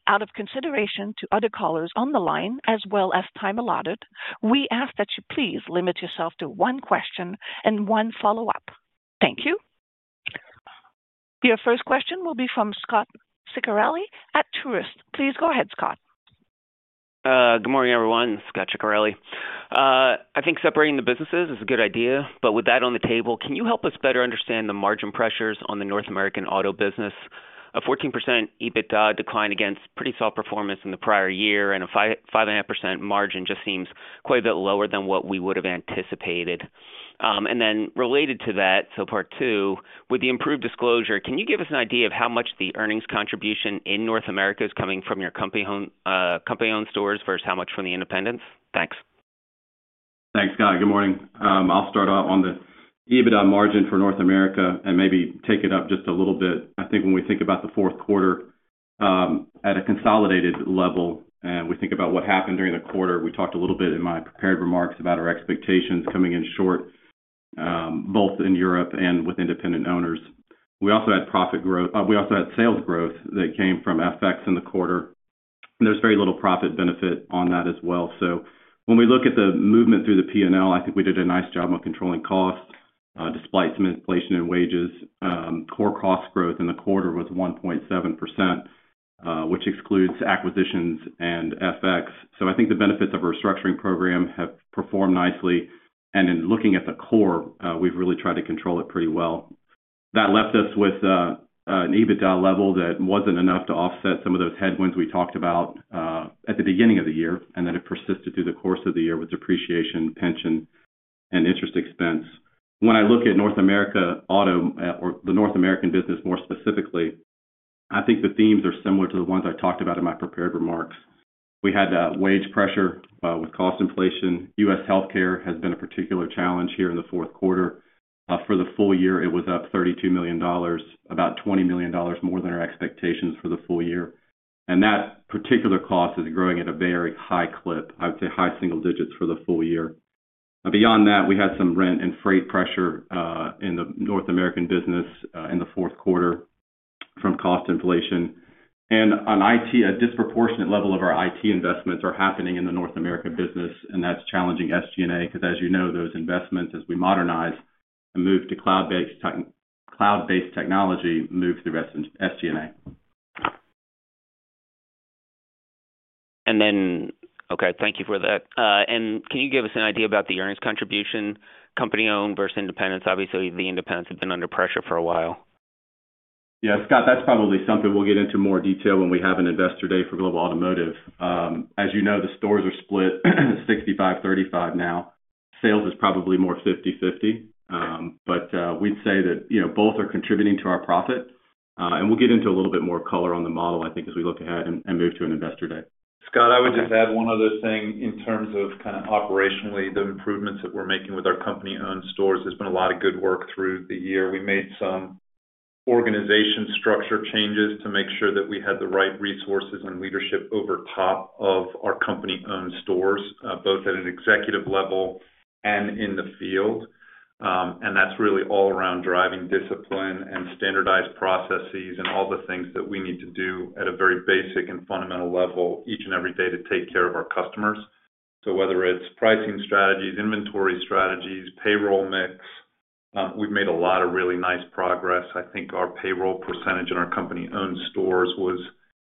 out of consideration to other callers on the line, as well as time allotted, we ask that you please limit yourself to one question and one follow-up. Thank you. Your first question will be from Scot Ciccarelli at Truist. Please go ahead, Scot. Good morning, everyone. Scot Ciccarelli. I think separating the businesses is a good idea, but with that on the table, can you help us better understand the margin pressures on the North American auto business? A 14% EBITDA decline against pretty soft performance in the prior year, and a 5%-5.5% margin just seems quite a bit lower than what we would have anticipated. And then related to that, so part two, with the improved disclosure, can you give us an idea of how much the earnings contribution in North America is coming from your company-owned, company-owned stores versus how much from the independents? Thanks. Thanks, Scot. Good morning. I'll start off on the EBITDA margin for North America and maybe take it up just a little bit. I think when we think about the Q4, at a consolidated level, and we think about what happened during the quarter, we talked a little bit in my prepared remarks about our expectations coming in short, both in Europe and with independent owners. We also had profit growth, we also had sales growth that came from FX in the quarter, and there's very little profit benefit on that as well. So when we look at the movement through the P&L, I think we did a nice job of controlling costs, despite some inflation in wages. Core cost growth in the quarter was 1.7%, which excludes acquisitions and FX. So I think the benefits of our restructuring program have performed nicely, and in looking at the core, we've really tried to control it pretty well. That left us with an EBITDA level that wasn't enough to offset some of those headwinds we talked about at the beginning of the year, and then it persisted through the course of the year with depreciation, pension, and interest expense. When I look at North America Auto, or the North American business more specifically, I think the themes are similar to the ones I talked about in my prepared remarks. We had wage pressure with cost inflation. U.S. healthcare has been a particular challenge here in the Q4. For the full year, it was up $32 million, about $20 million more than our expectations for the full year. And that particular cost is growing at a very high clip, I would say high single digits for the full year. Beyond that, we had some rent and freight pressure in the North American business in the Q4 from cost inflation. And on IT, a disproportionate level of our IT investments are happening in the North America business, and that's challenging SG&A, because as you know, those investments, as we modernize and move to cloud-based tech, cloud-based technology, move to the rest of SG&A. Okay, thank you for that. Can you give us an idea about the earnings contribution, company-owned versus independents? Obviously, the independents have been under pressure for a while. Yeah, Scot, that's probably something we'll get into more detail when we have an investor day for global automotive. As you know, the stores are split 65-35 now. Sales is probably more 50/50. But we'd say that, you know, both are contributing to our profit, and we'll get into a little bit more color on the model, I think, as we look ahead and move to an investor day. Scot, I would just add one other thing in terms of kind of operationally, the improvements that we're making with our company-owned stores. There's been a lot of good work through the year. We made some organization structure changes to make sure that we had the right resources and leadership over top of our company-owned stores, both at an executive level and in the field. That's really all around driving discipline and standardized processes, and all the things that we need to do at a very basic and fundamental level, each and every day, to take care of our customers. So whether it's pricing strategies, inventory strategies, payroll mix, we've made a lot of really nice progress. I think our payroll percentage in our company-owned stores was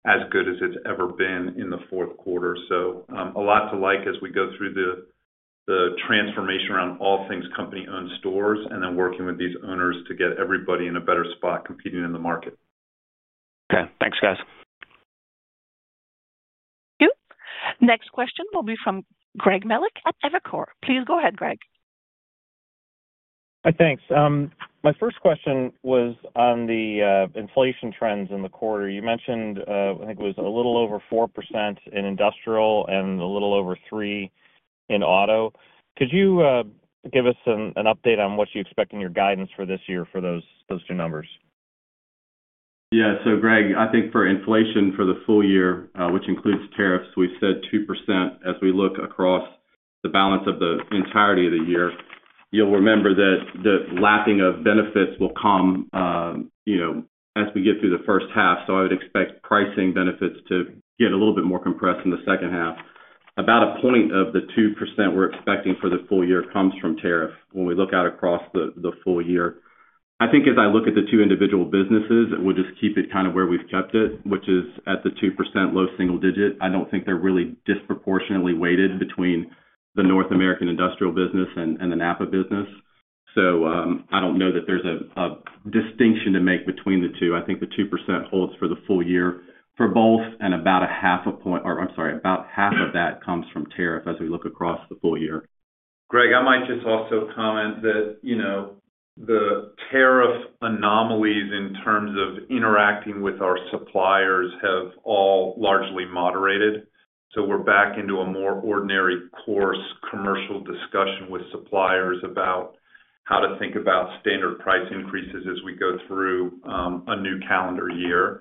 as good as it's ever been in the Q4. A lot to like as we go through the transformation around all things company-owned stores, and then working with these owners to get everybody in a better spot competing in the market. Okay. Thanks, guys. Thank you. Next question will be from Greg Melich at Evercore. Please go ahead, Greg. Hi, thanks. My first question was on the inflation trends in the quarter. You mentioned, I think it was a little over 4% in industrial and a little over 3% in auto. Could you give us an update on what you expect in your guidance for this year for those two numbers? Yeah. So Greg, I think for inflation for the full year, which includes tariffs, we've said 2%. As we look across the balance of the entirety of the year, you'll remember that the lapping of benefits will come, you know, as we get through the first half. So I would expect pricing benefits to get a little bit more compressed in the second half. About 1 point of the 2% we're expecting for the full year comes from tariff, when we look out across the full year. I think as I look at the 2 individual businesses, we'll just keep it kind of where we've kept it, which is at the 2% low single digit. I don't think they're really disproportionately weighted between the North American industrial business and the NAPA business. I don't know that there's a distinction to make between the two. I think the 2% holds for the full year for both and about 0.5 point. Or I'm sorry, about half of that comes from tariff as we look across the full year. Greg, I might just also comment that, you know, the tariff anomalies in terms of interacting with our suppliers have all largely moderated. So we're back into a more ordinary course, commercial discussion with suppliers about how to think about standard price increases as we go through a new calendar year.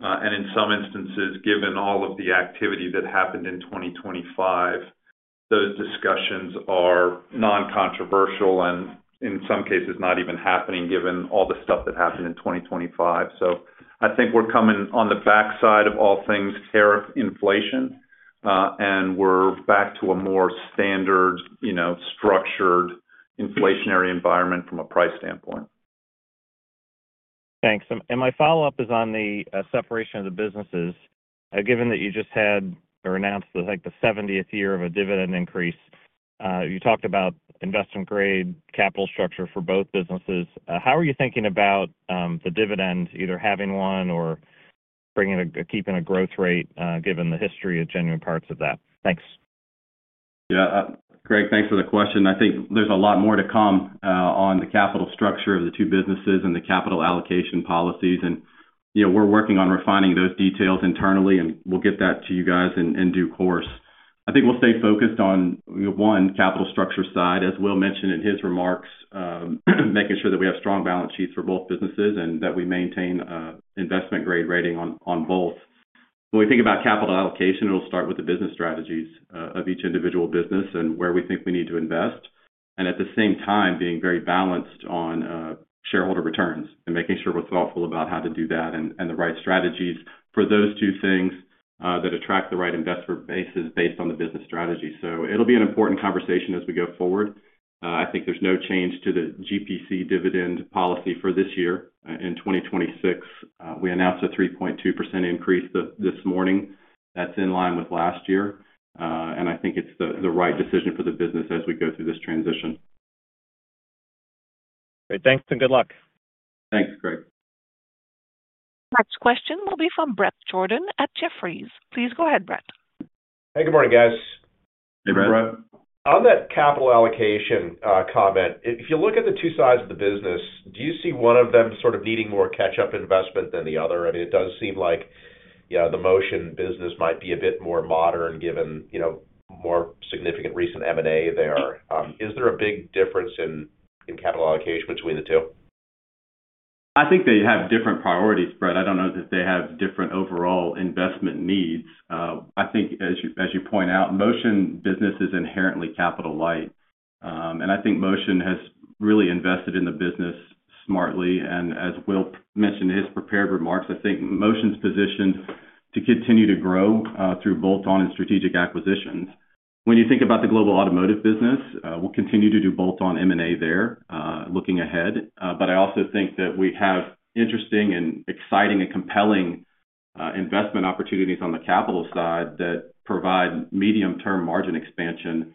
And in some instances, given all of the activity that happened in 2025, those discussions are non-controversial and, in some cases, not even happening, given all the stuff that happened in 2025. So I think we're coming on the backside of all things tariff inflation, and we're back to a more standard, you know, structured inflationary environment from a price standpoint. Thanks. My follow-up is on the separation of the businesses. Given that you just had or announced, I think, the 70th year of a dividend increase, you talked about investment-grade capital structure for both businesses. How are you thinking about the dividend, either having one or keeping a growth rate, given the history of Genuine Parts of that? Thanks. Yeah, Greg, thanks for the question. I think there's a lot more to come on the capital structure of the two businesses and the capital allocation policies. You know, we're working on refining those details internally, and we'll get that to you guys in due course. I think we'll stay focused on, one, capital structure side, as Will mentioned in his remarks, making sure that we have strong balance sheets for both businesses, and that we maintain an investment-grade rating on both. When we think about capital allocation, it'll start with the business strategies of each individual business and where we think we need to invest, and at the same time, being very balanced on shareholder returns and making sure we're thoughtful about how to do that and the right strategies for those two things that attract the right investor bases based on the business strategy. So it'll be an important conversation as we go forward. I think there's no change to the GPC dividend policy for this year. In 2026, we announced a 3.2% increase this morning. That's in line with last year, and I think it's the right decision for the business as we go through this transition. Great. Thanks, and good luck. Thanks, Greg. Next question will be from Bret Jordan at Jefferies. Please go ahead, Bret. Hey, good morning, guys. Hey, Bret. Hey, Bret. On that capital allocation comment, if you look at the two sides of the business, do you see one of them sort of needing more catch-up investment than the other? I mean, it does seem like, yeah, the Motion business might be a bit more modern, given, you know, more significant recent M&A there. Is there a big difference in capital allocation between the two? I think they have different priorities, Bret. I don't know that they have different overall investment needs. I think as you, as you point out, Motion business is inherently capital light. And I think Motion has really invested in the business smartly, and as Will mentioned in his prepared remarks, I think Motion's positioned to continue to grow, through bolt-on and strategic acquisitions. When you think about the global automotive business, we'll continue to do bolt-on M&A there, looking ahead. But I also think that we have interesting and exciting and compelling, investment opportunities on the capital side that provide medium-term margin expansion.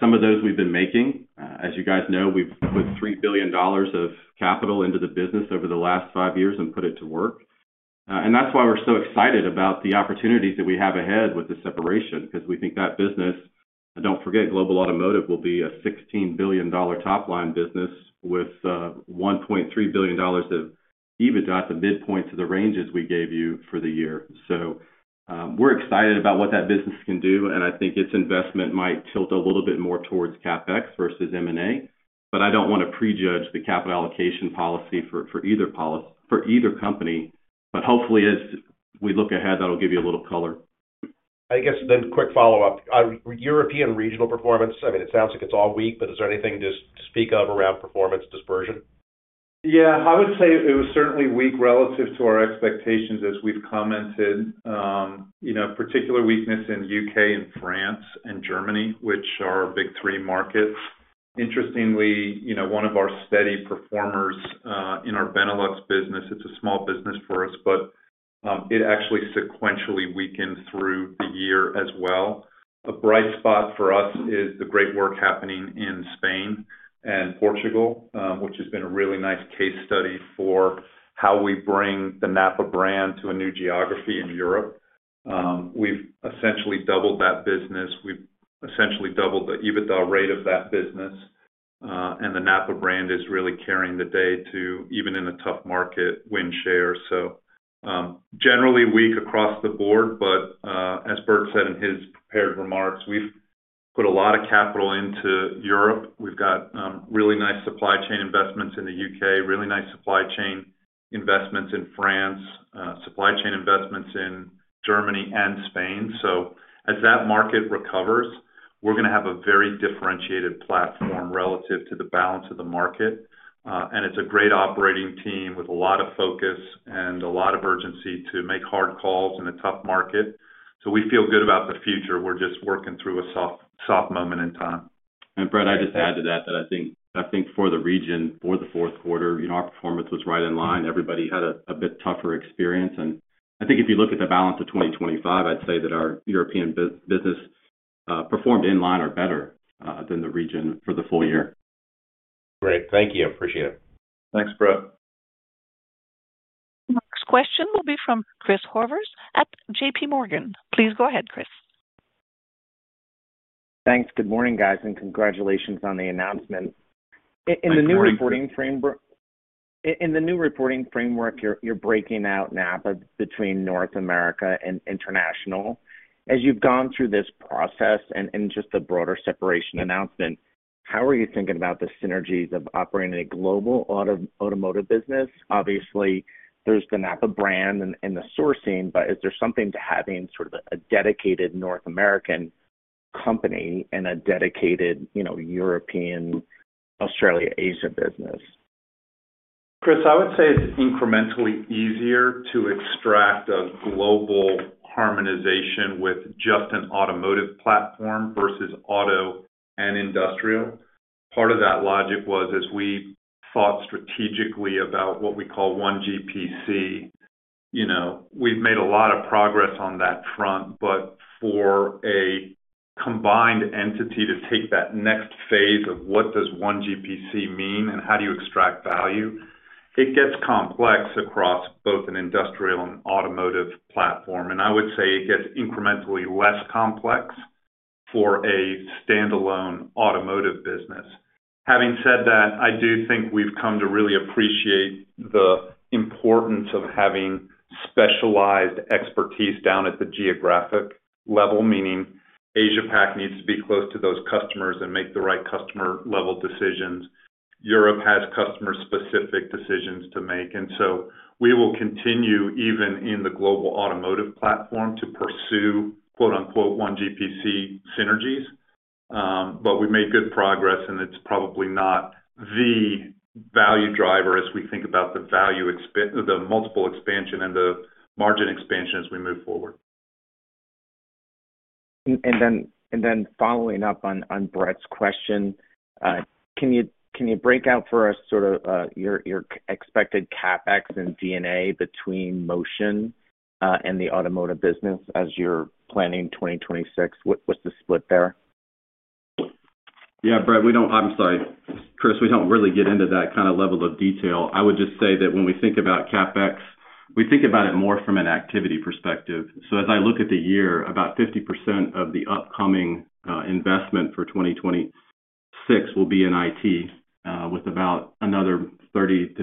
Some of those we've been making. As you guys know, we've put $3 billion of capital into the business over the last five years and put it to work. And that's why we're so excited about the opportunities that we have ahead with the separation, because we think that business, and don't forget, global automotive will be a $16 billion top-line business with $1.3 billion of EBITDA at the midpoint to the ranges we gave you for the year. So, we're excited about what that business can do, and I think its investment might tilt a little bit more towards CapEx versus M&A. But I don't wanna prejudge the capital allocation policy for either company. But hopefully, as we look ahead, that'll give you a little color. I guess then, quick follow-up. European regional performance, I mean, it sounds like it's all weak, but is there anything to speak of around performance dispersion? Yeah, I would say it was certainly weak relative to our expectations, as we've commented. You know, particular weakness in UK and France and Germany, which are our big three markets. Interestingly, you know, one of our steady performers, in our Benelux business, it's a small business for us, but, it actually sequentially weakened through the year as well. A bright spot for us is the great work happening in Spain and Portugal, which has been a really nice case study for how we bring the NAPA brand to a new geography in Europe. We've essentially doubled that business. We've essentially doubled the EBITDA rate of that business, and the NAPA brand is really carrying the day to, even in a tough market, win share. So, generally weak across the board, but, as Bert said in his prepared remarks, we've put a lot of capital into Europe. We've got, really nice supply chain investments in the UK, really nice supply chain investments in France, supply chain investments in Germany and Spain. So as that market recovers, we're gonna have a very differentiated platform relative to the balance of the market. And it's a great operating team with a lot of focus and a lot of urgency to make hard calls in a tough market. So we feel good about the future. We're just working through a soft, soft moment in time. Bret, I just add to that, that I think, I think for the region, for the Q4, you know, our performance was right in line. Everybody had a bit tougher experience, and I think if you look at the balance of 2025, I'd say that our European business performed in line or better than the region for the full year. Great. Thank you. Appreciate it. Thanks, Bret. Next question will be from Chris Horvers at JP Morgan. Please go ahead, Chris. Thanks. Good morning, guys, and congratulations on the announcement. Good morning- In the new reporting framework, you're breaking out NAPA between North America and International. As you've gone through this process and just the broader separation announcement, how are you thinking about the synergies of operating a global automotive business? Obviously, there's the NAPA brand and the sourcing, but is there something to having sort of a dedicated North American company and a dedicated, you know, European, Australia, Asia business? Chris, I would say it's incrementally easier to extract a global harmonization with just an automotive platform versus auto and industrial. Part of that logic was, as we thought strategically about what we call one GPC, you know, we've made a lot of progress on that front. But for a combined entity to take that next phase of what does one GPC mean and how do you extract value, it gets complex across both an industrial and automotive platform. And I would say it gets incrementally less complex for a standalone automotive business. Having said that, I do think we've come to really appreciate the importance of having specialized expertise down at the geographic level, meaning Asia Pac needs to be close to those customers and make the right customer-level decisions. Europe has customer-specific decisions to make, and so we will continue, even in the global automotive platform, to pursue, quote, unquote, "One GPC synergies." But we've made good progress, and it's probably not the value driver as we think about the multiple expansion and the margin expansion as we move forward. Then, following up on Bret's question, can you break out for us sort of your expected CapEx and D&A between Motion and the automotive business as you're planning 2026? What's the split there? Yeah, Bret, we don't I'm sorry, Chris, we don't really get into that kind of level of detail. I would just say that when we think about CapEx, we think about it more from an activity perspective. So as I look at the year, about 50% of the upcoming investment for 2026 will be in IT, with about another 30%-35%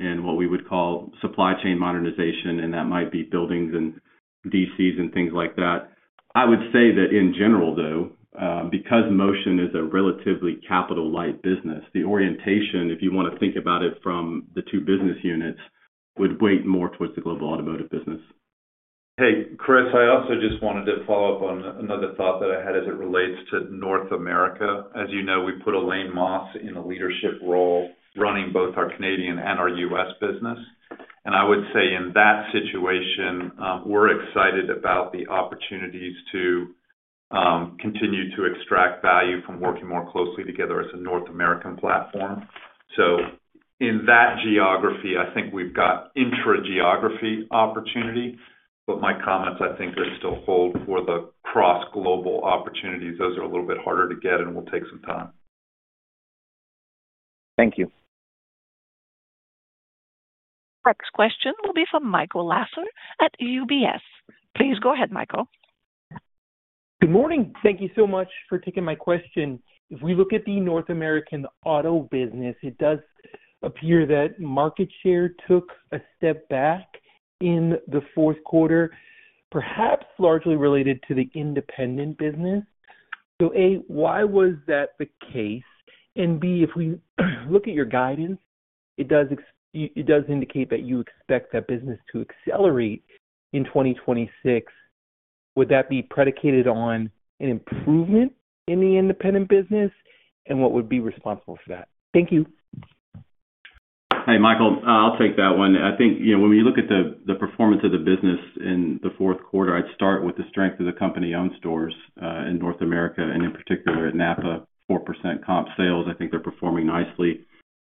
in what we would call supply chain modernization, and that might be buildings and DCs and things like that. I would say that in general, though, because Motion is a relatively capital-light business, the orientation, if you wanna think about it from the two business units, would weigh more towards the global automotive business. Hey, Chris, I also just wanted to follow up on another thought that I had as it relates to North America. As you know, we put Elaine Moss in a leadership role running both our Canadian and our U.S. business. And I would say in that situation, we're excited about the opportunities to continue to extract value from working more closely together as a North American platform. So in that geography, I think we've got intra-geography opportunity, but my comments, I think, still hold for the cross-global opportunities. Those are a little bit harder to get and will take some time. Thank you. Next question will be from Michael Lasser at UBS. Please go ahead, Michael. Good morning. Thank you so much for taking my question. If we look at the North American auto business, it does appear that market share took a step back in the Q4, perhaps largely related to the independent business. So, A, why was that the case? And B, if we look at your guidance, it does indicate that you expect that business to accelerate in 2026. Would that be predicated on an improvement in the independent business, and what would be responsible for that? Thank you. Hey, Michael, I'll take that one. I think, you know, when we look at the performance of the business in the Q4, I'd start with the strength of the company-owned stores in North America, and in particular, at NAPA, 4% comp sales. I think they're performing nicely,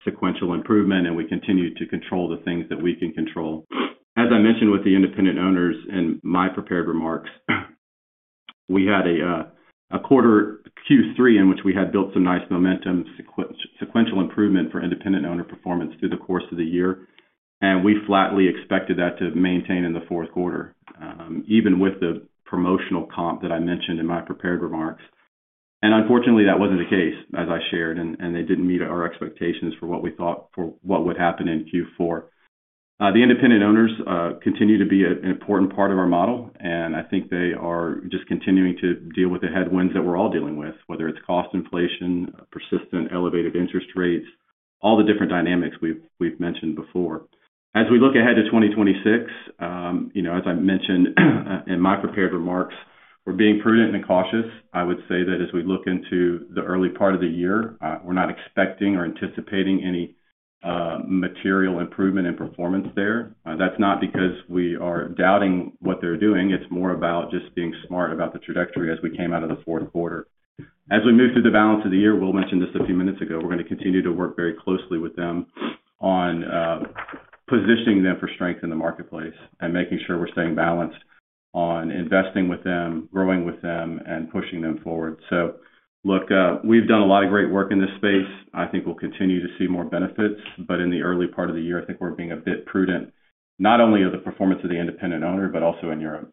sequential improvement, and we continue to control the things that we can control. As I mentioned with the independent owners in my prepared remarks, we had a quarter, Q3, in which we had built some nice momentum, sequential improvement for independent owner performance through the course of the year. And we flatly expected that to maintain in the Q4, even with the promotional comp that I mentioned in my prepared remarks. And unfortunately, that wasn't the case, as I shared, and they didn't meet our expectations for what we thought for what would happen in Q4. The independent owners continue to be an important part of our model, and I think they are just continuing to deal with the headwinds that we're all dealing with, whether it's cost inflation, persistent elevated interest rates, all the different dynamics we've mentioned before. As we look ahead to 2026, you know, as I mentioned, in my prepared remarks, we're being prudent and cautious. I would say that as we look into the early part of the year, we're not expecting or anticipating any material improvement in performance there. That's not because we are doubting what they're doing. It's more about just being smart about the trajectory as we came out of the Q4. As we move through the balance of the year, Will mentioned this a few minutes ago, we're gonna continue to work very closely with them on positioning them for strength in the marketplace and making sure we're staying balanced on investing with them, growing with them, and pushing them forward. So look, we've done a lot of great work in this space. I think we'll continue to see more benefits, but in the early part of the year, I think we're being a bit prudent, not only of the performance of the independent owner, but also in Europe.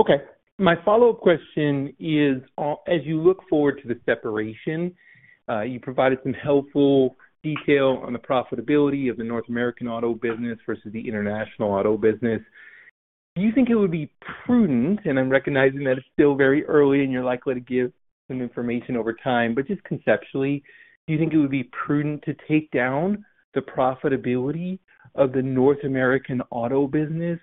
Okay. My follow-up question is, on, as you look forward to the separation, you provided some helpful detail on the profitability of the North American auto business versus the international auto business. Do you think it would be prudent, and I'm recognizing that it's still very early and you're likely to give some information over time, but just conceptually, do you think it would be prudent to take down the profitability of the North American auto business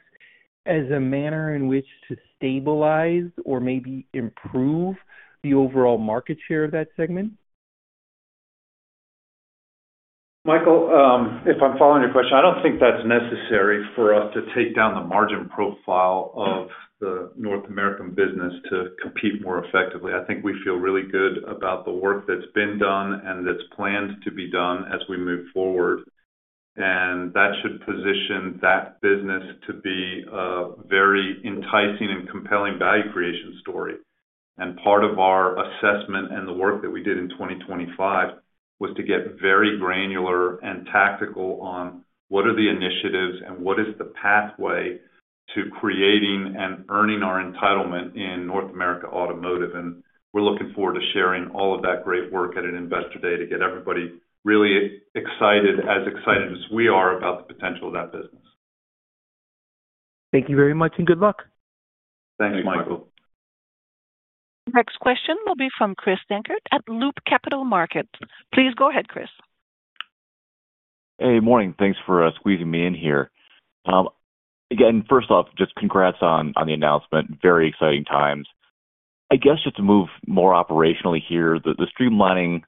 as a manner in which to stabilize or maybe improve the overall market share of that segment? Michael, if I'm following your question, I don't think that's necessary for us to take down the margin profile of the North American business to compete more effectively. I think we feel really good about the work that's been done and that's planned to be done as we move forward, and that should position that business to be a very enticing and compelling value creation story. Part of our assessment and the work that we did in 2025 was to get very granular and tactical on what are the initiatives and what is the pathway to creating and earning our entitlement in North America Automotive. We're looking forward to sharing all of that great work at an investor day to get everybody really excited, as excited as we are about the potential of that business. Thank you very much, and good luck. Thanks, Michael. Next question will be from Chris Dankert at Loop Capital Markets. Please go ahead, Chris. Hey, morning. Thanks for squeezing me in here. Again, first off, just congrats on the announcement. Very exciting times. I guess just to move more operationally here, the streamlining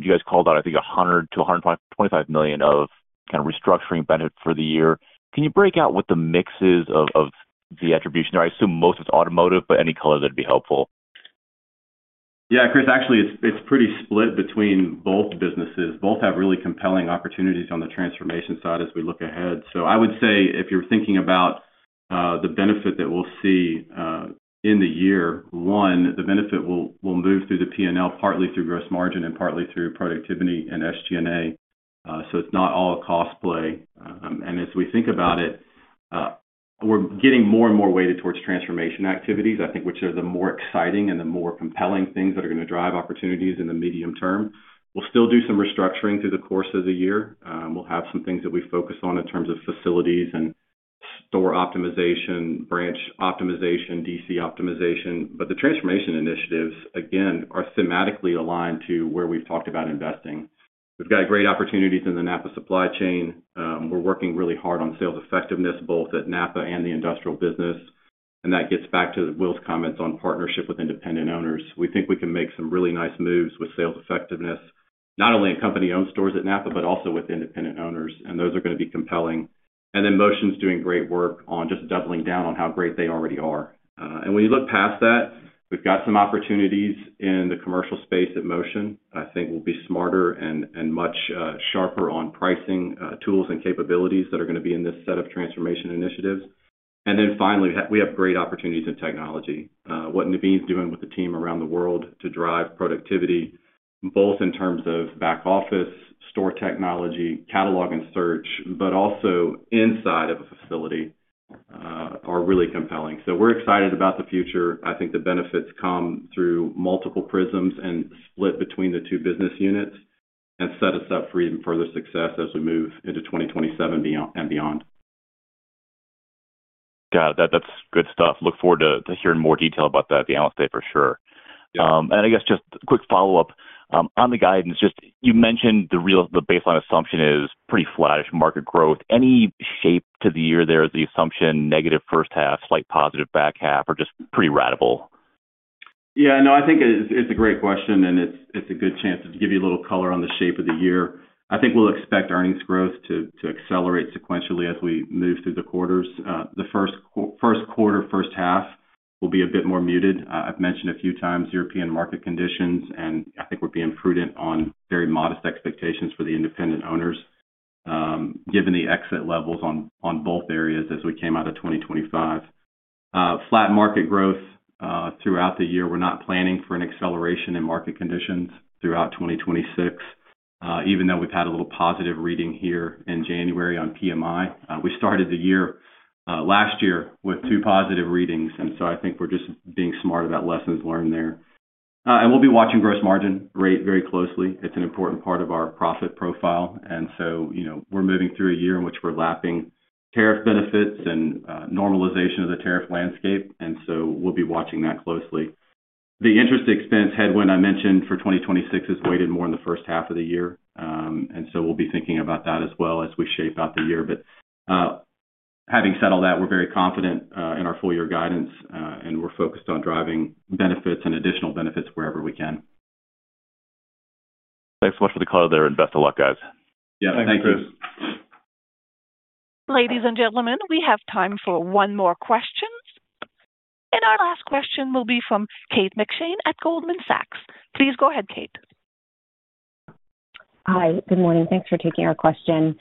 you guys called out, I think, $100-$125 million of kind of restructuring benefit for the year. Can you break out what the mix is of the attribution? I assume most is automotive, but any color, that'd be helpful. Yeah, Chris, actually, it's, it's pretty split between both businesses. Both have really compelling opportunities on the transformation side as we look ahead. So I would say if you're thinking about the benefit that we'll see in the year one, the benefit will, will move through the P&L, partly through gross margin and partly through productivity and SG&A. So it's not all a cost play. And as we think about it, we're getting more and more weighted towards transformation activities, I think, which are the more exciting and the more compelling things that are gonna drive opportunities in the medium term. We'll still do some restructuring through the course of the year. We'll have some things that we focus on in terms of facilities and store optimization, branch optimization, DC optimization. But the transformation initiatives, again, are thematically aligned to where we've talked about investing. We've got great opportunities in the NAPA supply chain. We're working really hard on sales effectiveness, both at NAPA and the industrial business, and that gets back to Will's comments on partnership with independent owners. We think we can make some really nice moves with sales effectiveness, not only in company-owned stores at NAPA, but also with independent owners, and those are gonna be compelling. And then Motion's doing great work on just doubling down on how great they already are. And when you look past that, we've got some opportunities in the commercial space at Motion. I think we'll be smarter and much sharper on pricing, tools and capabilities that are gonna be in this set of transformation initiatives. And then finally, we have great opportunities in technology. What Naveen is doing with the team around the world to drive productivity, both in terms of back office, store technology, catalog and search, but also inside of a facility, are really compelling. So we're excited about the future. I think the benefits come through multiple prisms and split between the two business units and set us up for even further success as we move into 2027 beyond, and beyond. Yeah, that's good stuff. Look forward to hearing more detail about that at the Analyst Day, for sure. And I guess just a quick follow-up. On the guidance, just you mentioned the baseline assumption is pretty flattish market growth. Any shape to the year there is the assumption, negative first half, slight positive back half, or just pretty ratable? Yeah, no, I think it's a great question, and it's a good chance to give you a little color on the shape of the year. I think we'll expect earnings growth to accelerate sequentially as we move through the quarters. The Q1, first half will be a bit more muted. I've mentioned a few times European market conditions, and I think we're being prudent on very modest expectations for the independent owners, given the exit levels on both areas as we came out of 2025. Flat market growth throughout the year. We're not planning for an acceleration in market conditions throughout 2026, even though we've had a little positive reading here in January on PMI. We started the year last year with two positive readings, and so I think we're just being smart about lessons learned there. And we'll be watching gross margin rate very closely. It's an important part of our profit profile. And so, you know, we're moving through a year in which we're lapping tariff benefits and normalization of the tariff landscape, and so we'll be watching that closely. The interest expense headwind I mentioned for 2026 is weighted more in the first half of the year. And so we'll be thinking about that as well as we shape out the year. But having said all that, we're very confident in our full year guidance, and we're focused on driving benefits and additional benefits wherever we can. Thanks so much for the color there, and best of luck, guys. Yeah. Thank you. Ladies and gentlemen, we have time for one more question, and our last question will be from Kate McShane at Goldman Sachs. Please go ahead, Kate. Hi. Good morning. Thanks for taking our question.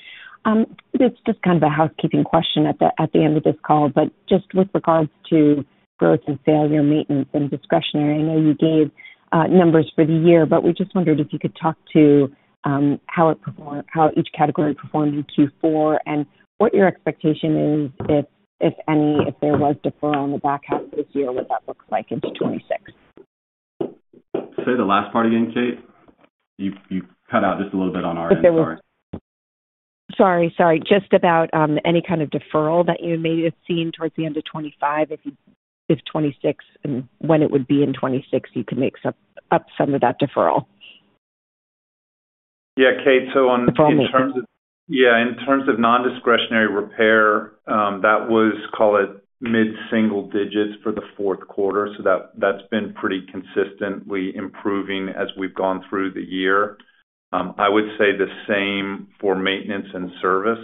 It's just kind of a housekeeping question at the end of this call, but just with regards to growth and failure, maintenance and discretionary, I know you gave numbers for the year, but we just wondered if you could talk to how it performed, how each category performed in Q4, and what your expectation is, if any, if there was deferral on the back half of this year, what that looks like in 2026. Say the last part again, Kate? You, you cut out just a little bit on our end. Sorry. Sorry, sorry. Just about, any kind of deferral that you may have seen towards the end of 25, if 2026 and when it would be in 2026, you could make up some of that deferral. Yeah, Kate, so on- Deferral. In terms of yeah, in terms of non-discretionary repair, that was, call it, mid-single digits for the Q4. So that, that's been pretty consistently improving as we've gone through the year. I would say the same for maintenance and service.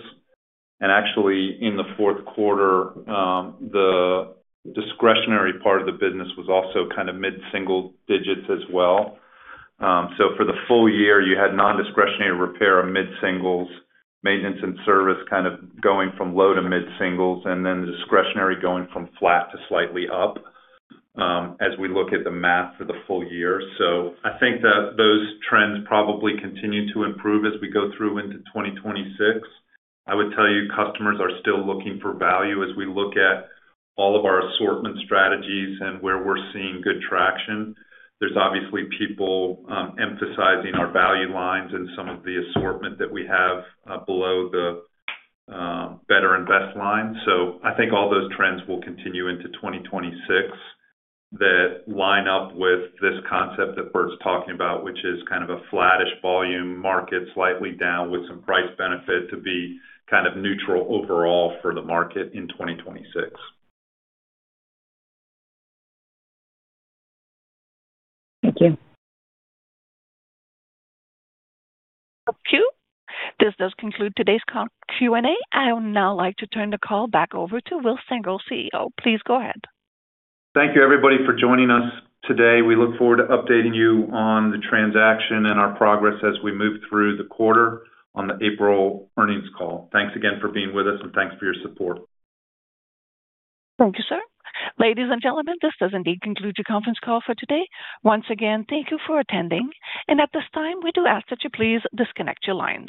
And actually, in the Q4, the discretionary part of the business was also kind of mid-single digits as well. So for the full year, you had non-discretionary repair of mid-singles, maintenance and service kind of going from low to mid-singles, and then the discretionary going from flat to slightly up, as we look at the math for the full year. So I think that those trends probably continue to improve as we go through into 2026. I would tell you, customers are still looking for value as we look at all of our assortment strategies and where we're seeing good traction. There's obviously people emphasizing our value lines and some of the assortment that we have below the better and best line. So I think all those trends will continue into 2026, that line up with this concept that Bert's talking about, which is kind of a flattish volume market, slightly down with some price benefit to be kind of neutral overall for the market in 2026. Thank you. Thank you. This does conclude today's Q&A. I would now like to turn the call back over to Will Stengel, CEO. Please go ahead. Thank you, everybody, for joining us today. We look forward to updating you on the transaction and our progress as we move through the quarter on the April earnings call. Thanks again for being with us, and thanks for your support. Thank you, sir. Ladies and gentlemen, this does indeed conclude your conference call for today. Once again, thank you for attending, and at this time, we do ask that you please disconnect your lines.